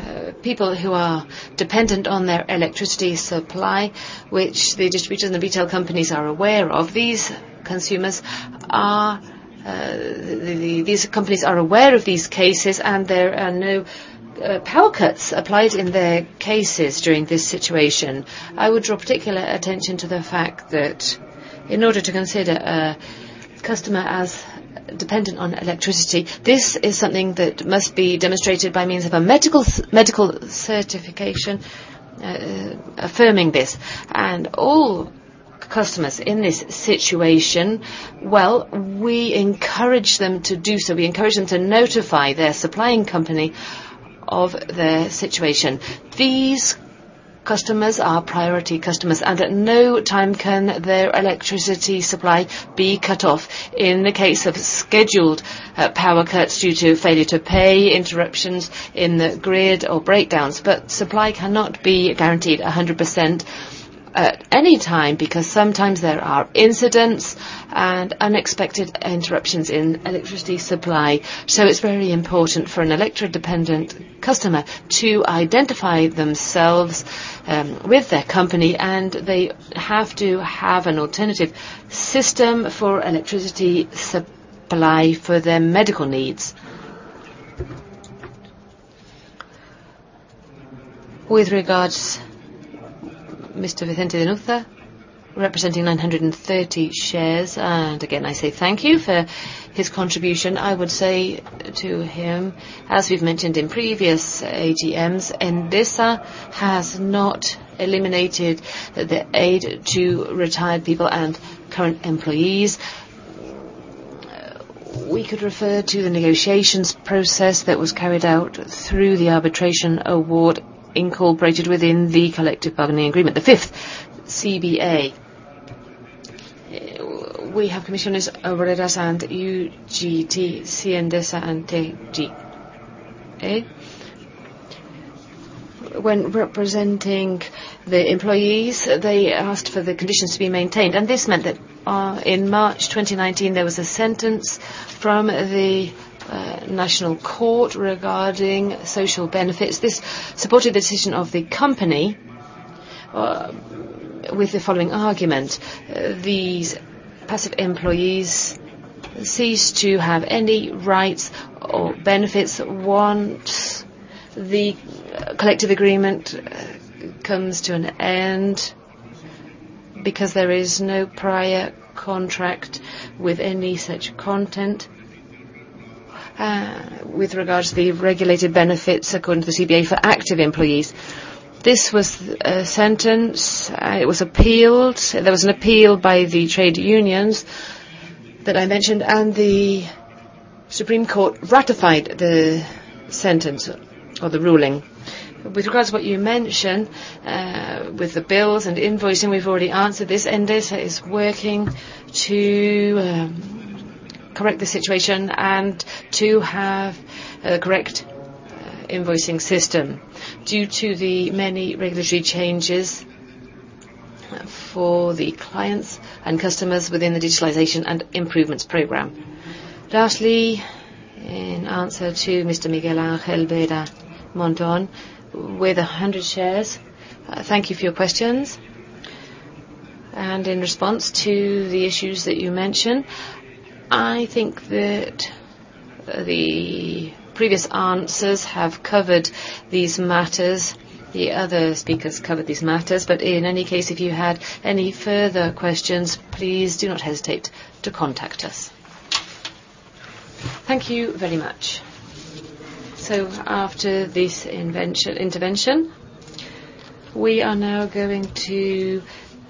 people who are dependent on their electricity supply, which the distributors and the retail companies are aware of, these consumers are, these companies are aware of these cases, and there are no power cuts applied in their cases during this situation. I would draw particular attention to the fact that in order to consider a customer as dependent on electricity, this is something that must be demonstrated by means of a medical certification, affirming this. All customers in this situation, well, we encourage them to do so. We encourage them to notify their supplying company of their situation. These customers are priority customers, at no time can their electricity supply be cut off in the case of scheduled power cuts due to failure to pay, interruptions in the grid or breakdowns. Supply cannot be guaranteed 100% at any time because sometimes there are incidents and unexpected interruptions in electricity supply. It's very important for an electro-dependent customer to identify themselves with their company, and they have to have an alternative system for electricity supply for their medical needs. With regards, Mr. Vicente de Nutta, representing 930 shares, and again, I say thank you for his contribution. I would say to him, as we've mentioned in previous AGMs, Endesa has not eliminated the aid to retired people and current employees. We could refer to the negotiations process that was carried out through the arbitration award incorporated within the collective bargaining agreement, the fifth CBA. We have Comisiones Obreras and UGT, CNSE and TGE. When representing the employees, they asked for the conditions to be maintained, this meant that, in March 2019, there was a sentence from the national court regarding social benefits. This supported the decision of the company with the following argument: these passive employees cease to have any rights or benefits once the collective agreement comes to an end because there is no prior contract with any such content with regards to the regulated benefits according to the CBA for active employees. This was a sentence. It was appealed. There was an appeal by the trade unions that I mentioned, and the Supreme Court ratified the sentence or the ruling. With regards to what you mentioned, with the bills and invoicing, we've already answered this. Endesa is working to correct the situation and to have a correct invoicing system due to the many regulatory changes for the clients and customers within the digitalization and improvements program. Lastly, in answer to Mr. Miguel Angel Beramontón, with 100 shares, thank you for your questions. In response to the issues that you mention, I think that the previous answers have covered these matters. The other speakers covered these matters, but in any case, if you had any further questions, please do not hesitate to contact us. Thank you very much. After this intervention, we are now going to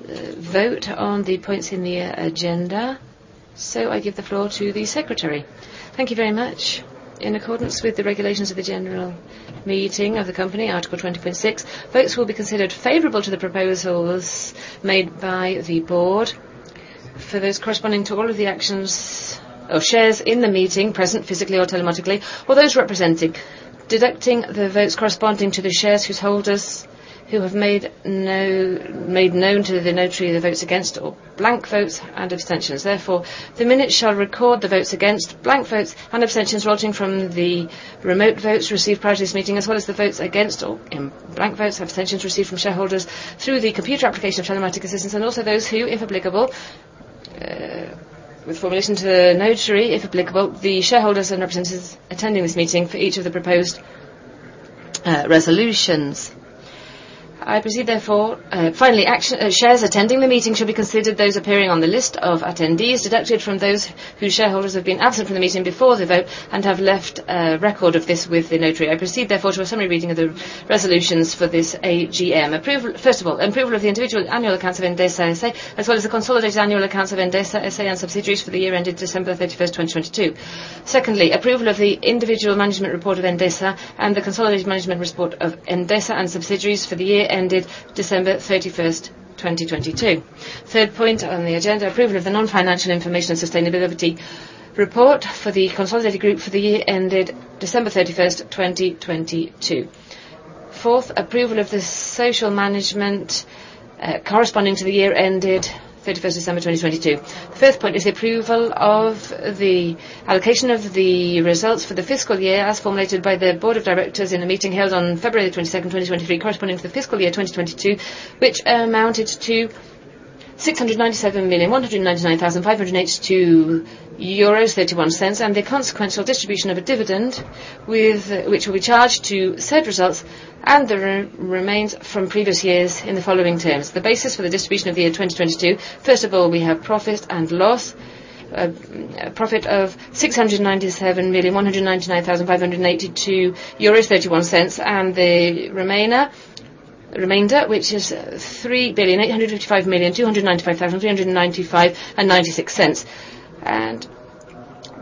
vote on the points in the agenda. I give the floor to the secretary. Thank you very much. In accordance with the regulations of the general meeting of the company, Article 20.6, votes will be considered favorable to the proposals made by the board for those corresponding to all of the actions of shares in the meeting present physically or telematically, or those represented, deducting the votes corresponding to the shares whose holders who have made known to the notary the votes against or blank votes and abstentions. Therefore, the minutes shall record the votes against blank votes and abstentions resulting from the remote votes received prior to this meeting, as well as the votes against or blank votes or abstentions received from shareholders through the computer application of telematic assistance, and also those who, if applicable, with formulation to the notary, if applicable, the shareholders and representatives attending this meeting for each of the proposed resolutions. I proceed therefore. Finally, shares attending the meeting shall be considered those appearing on the list of attendees deducted from those whose shareholders have been absent from the meeting before the vote and have left a record of this with the notary. I proceed therefore to a summary reading of the resolutions for this AGM. First of all, approval of the individual annual accounts of Endesa, S.A., as well as the consolidated annual accounts of Endesa, S.A. and subsidiaries for the year ended December 31st, 2022. Secondly, approval of the individual management report of Endesa and the consolidated management report of Endesa and subsidiaries for the year ended December 31st, 2022. Third point on the agenda, approval of the non-financial information and sustainability report for the consolidated group for the year ended December 31st, 2022. Fourth, approval of the social management corresponding to the year ended 31st December, 2022. The fifth point is approval of the allocation of the results for the fiscal year as formulated by the board of directors in a meeting held on February 22nd, 2023, corresponding to the fiscal year 2022, which amounted to 697,199,582.31 euros, and the consequential distribution of a dividend which will be charged to said results and the remains from previous years in the following terms. The basis for the distribution of the year 2022, first of all, we have profit and loss, a profit of 697,199,582.31 euros. The remainder, which is 3,855,295,395.96.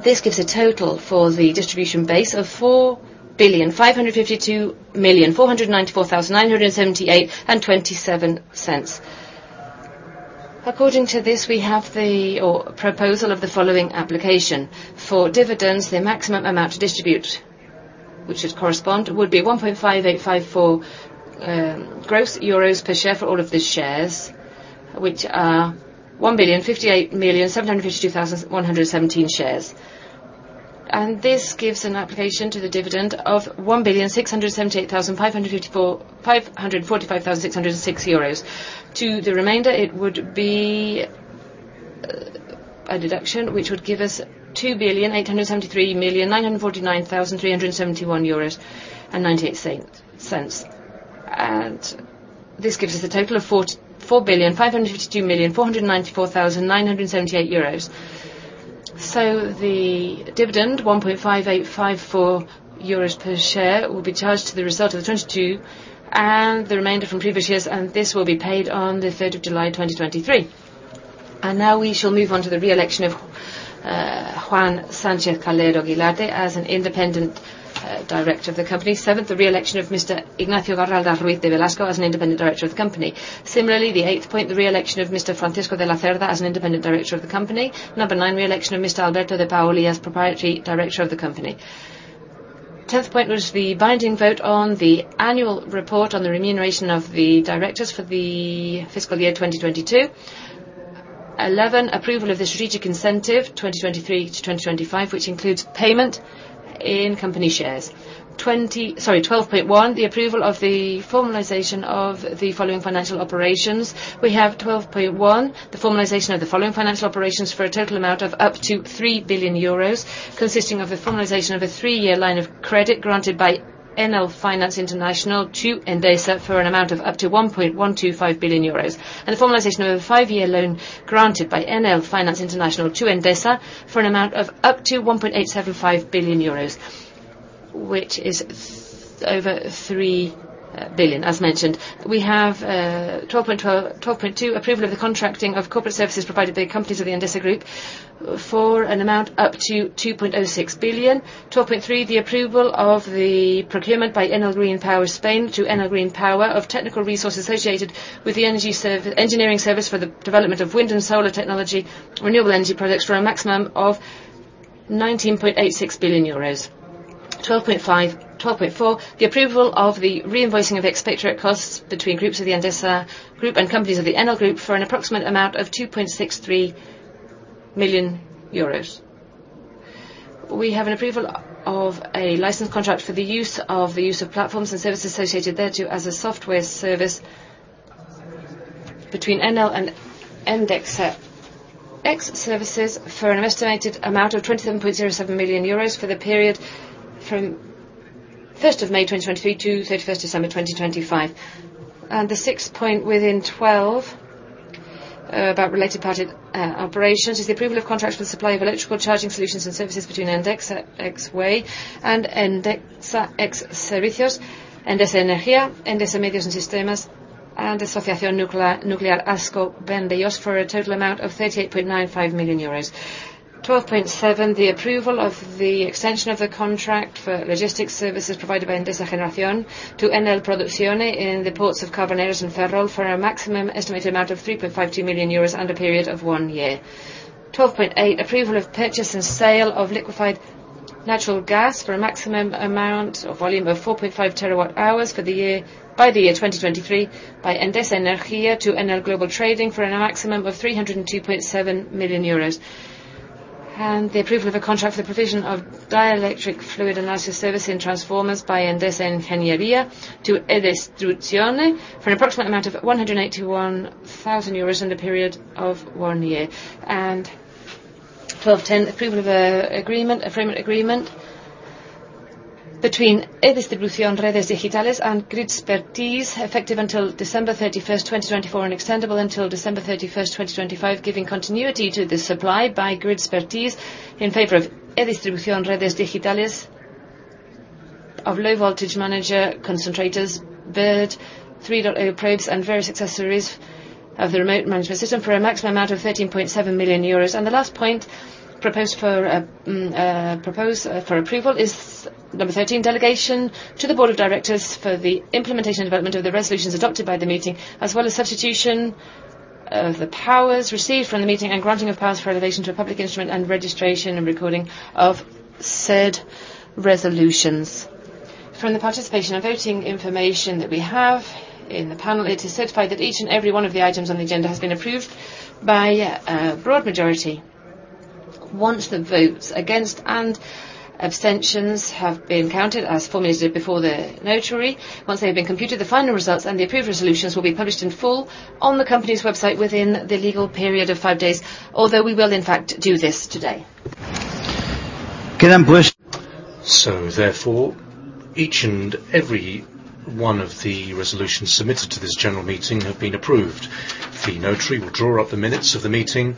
This gives a total for the distribution base of 4,552,494,978.27. According to this, we have the proposal of the following application. For dividends, the maximum amount to distribute, which would correspond, would be 1.5854 euros gross per share for all of the shares, which are 1,058,752,117 shares. This gives an application to the dividend of 1,001,223,606 euros. To the remainder, it would be a deduction which would give us 2,873,949,371.98 euros. This gives us a total of 4,552,494,978 euros. The dividend, 1.5854 euros per share, will be charged to the result of 2022 and the remainder from previous years, and this will be paid on the third of July, 2023. Now we shall move on to the reelection of Juan Sánchez-Calero Guilarte as an independent director of the company. Seventh, the reelection of Mr. Ignacio Garralda Ruíz de Velasco as an independent director of the company. Similarly, the 8th point, the reelection of Mr. Francisco de Lacerda as an independent director of the company. Number nine, reelection of Mr. Alberto de Paoli as proprietary director of the company. Tenth point was the binding vote on the annual report on the remuneration of the directors for the fiscal year 2022. Eleven, approval of the strategic incentive 2023-2025, which includes payment in company shares. 12.1, the approval of the formalization of the following financial operations. We have 12.1, the formalization of the following financial operations for a total amount of up to 3 billion euros, consisting of the formalization of a three-year line of credit granted by Enel Finance International N.V. to Endesa for an amount of up to 1.125 billion euros, and the formalization of a five-year loan granted by Enel Finance International N.V. to Endesa for an amount of up to 1.875 billion euros, which is over 3 billion, as mentioned. We have 12.2, approval of the contracting of corporate services provided by companies of the Endesa Group for an amount up to 2.06 billion. 12.3, the approval of the procurement by Enel Green Power España to Enel Green Power of technical resources associated with the engineering service for the development of wind and solar technology, renewable energy projects for a maximum of 19.86 billion euros. 12.4, the approval of the reinvoicing of expatriate costs between groups of the Endesa Group and companies of the Enel Group for an approximate amount of 2.63 million euros. We have an approval of a license contract for the use of, the use of platforms and services associated thereto as a software service between Enel and Endesa X Servicios for an estimated amount of 27.07 million euros for the period from May 1, 2023 to December 31, 2025. The sixth point within 12 about related party operations, is the approval of contracts for supply of electrical charging solutions and services between Endesa X Way and Endesa X Servicios, Endesa Energía, Endesa Medios y Sistemas, and Asociación Nuclear Ascó-Vandellós for a total amount of 38.95 million euros. 12.7, the approval of the extension of the contract for logistics services provided by Endesa Generación to Enel Produzione in the ports of Carboneras and Ferrol for a maximum estimated amount of 3.52 million euros and a period of one year. 12.8, approval of purchase and sale of liquefied natural gas for a maximum amount or volume of 4.5 TWh by the year 2023 by Endesa Energía to Enel Global Trading for a maximum of 302.7 million euros. The approval of a contract for the provision of dielectric fluid analysis service in transformers by Endesa Ingeniería to e-distribución for an approximate amount of 181,000 euros in the period of one year. 12/10, approval of a agreement, a framework agreement between e-distribución Redes Digitales and Gridspertise, effective until December 31, 2024, and extendable until December 31, 2025, giving continuity to the supply by Gridspertise in favor of e-distribución Redes Digitales of low voltage manager concentrators, Bird 3.0 probes, and various accessories of the remote management system for a maximum amount of 13.7 million euros. The last point proposed for approval is number 13, delegation to the Board of Directors for the implementation and development of the resolutions adopted by the meeting, as well as substitution of the powers received from the meeting and granting of powers for elevation to a public instrument and registration and recording of said resolutions. From the participation and voting information that we have in the panel, it is certified that each and every one of the items on the agenda has been approved by a broad majority. Once the votes against and abstentions have been counted as formulated before the notary, once they have been computed, the final results and the approved resolutions will be published in full on the company's website within the legal period of five days, although we will in fact do this today. Therefore, each and every one of the resolutions submitted to this general meeting have been approved. The notary will draw up the minutes of the meeting,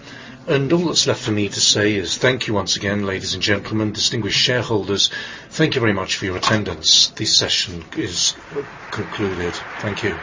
and all that's left for me to say is thank you once again, ladies and gentlemen, distinguished shareholders. Thank you very much for your attendance. This session is concluded. Thank you.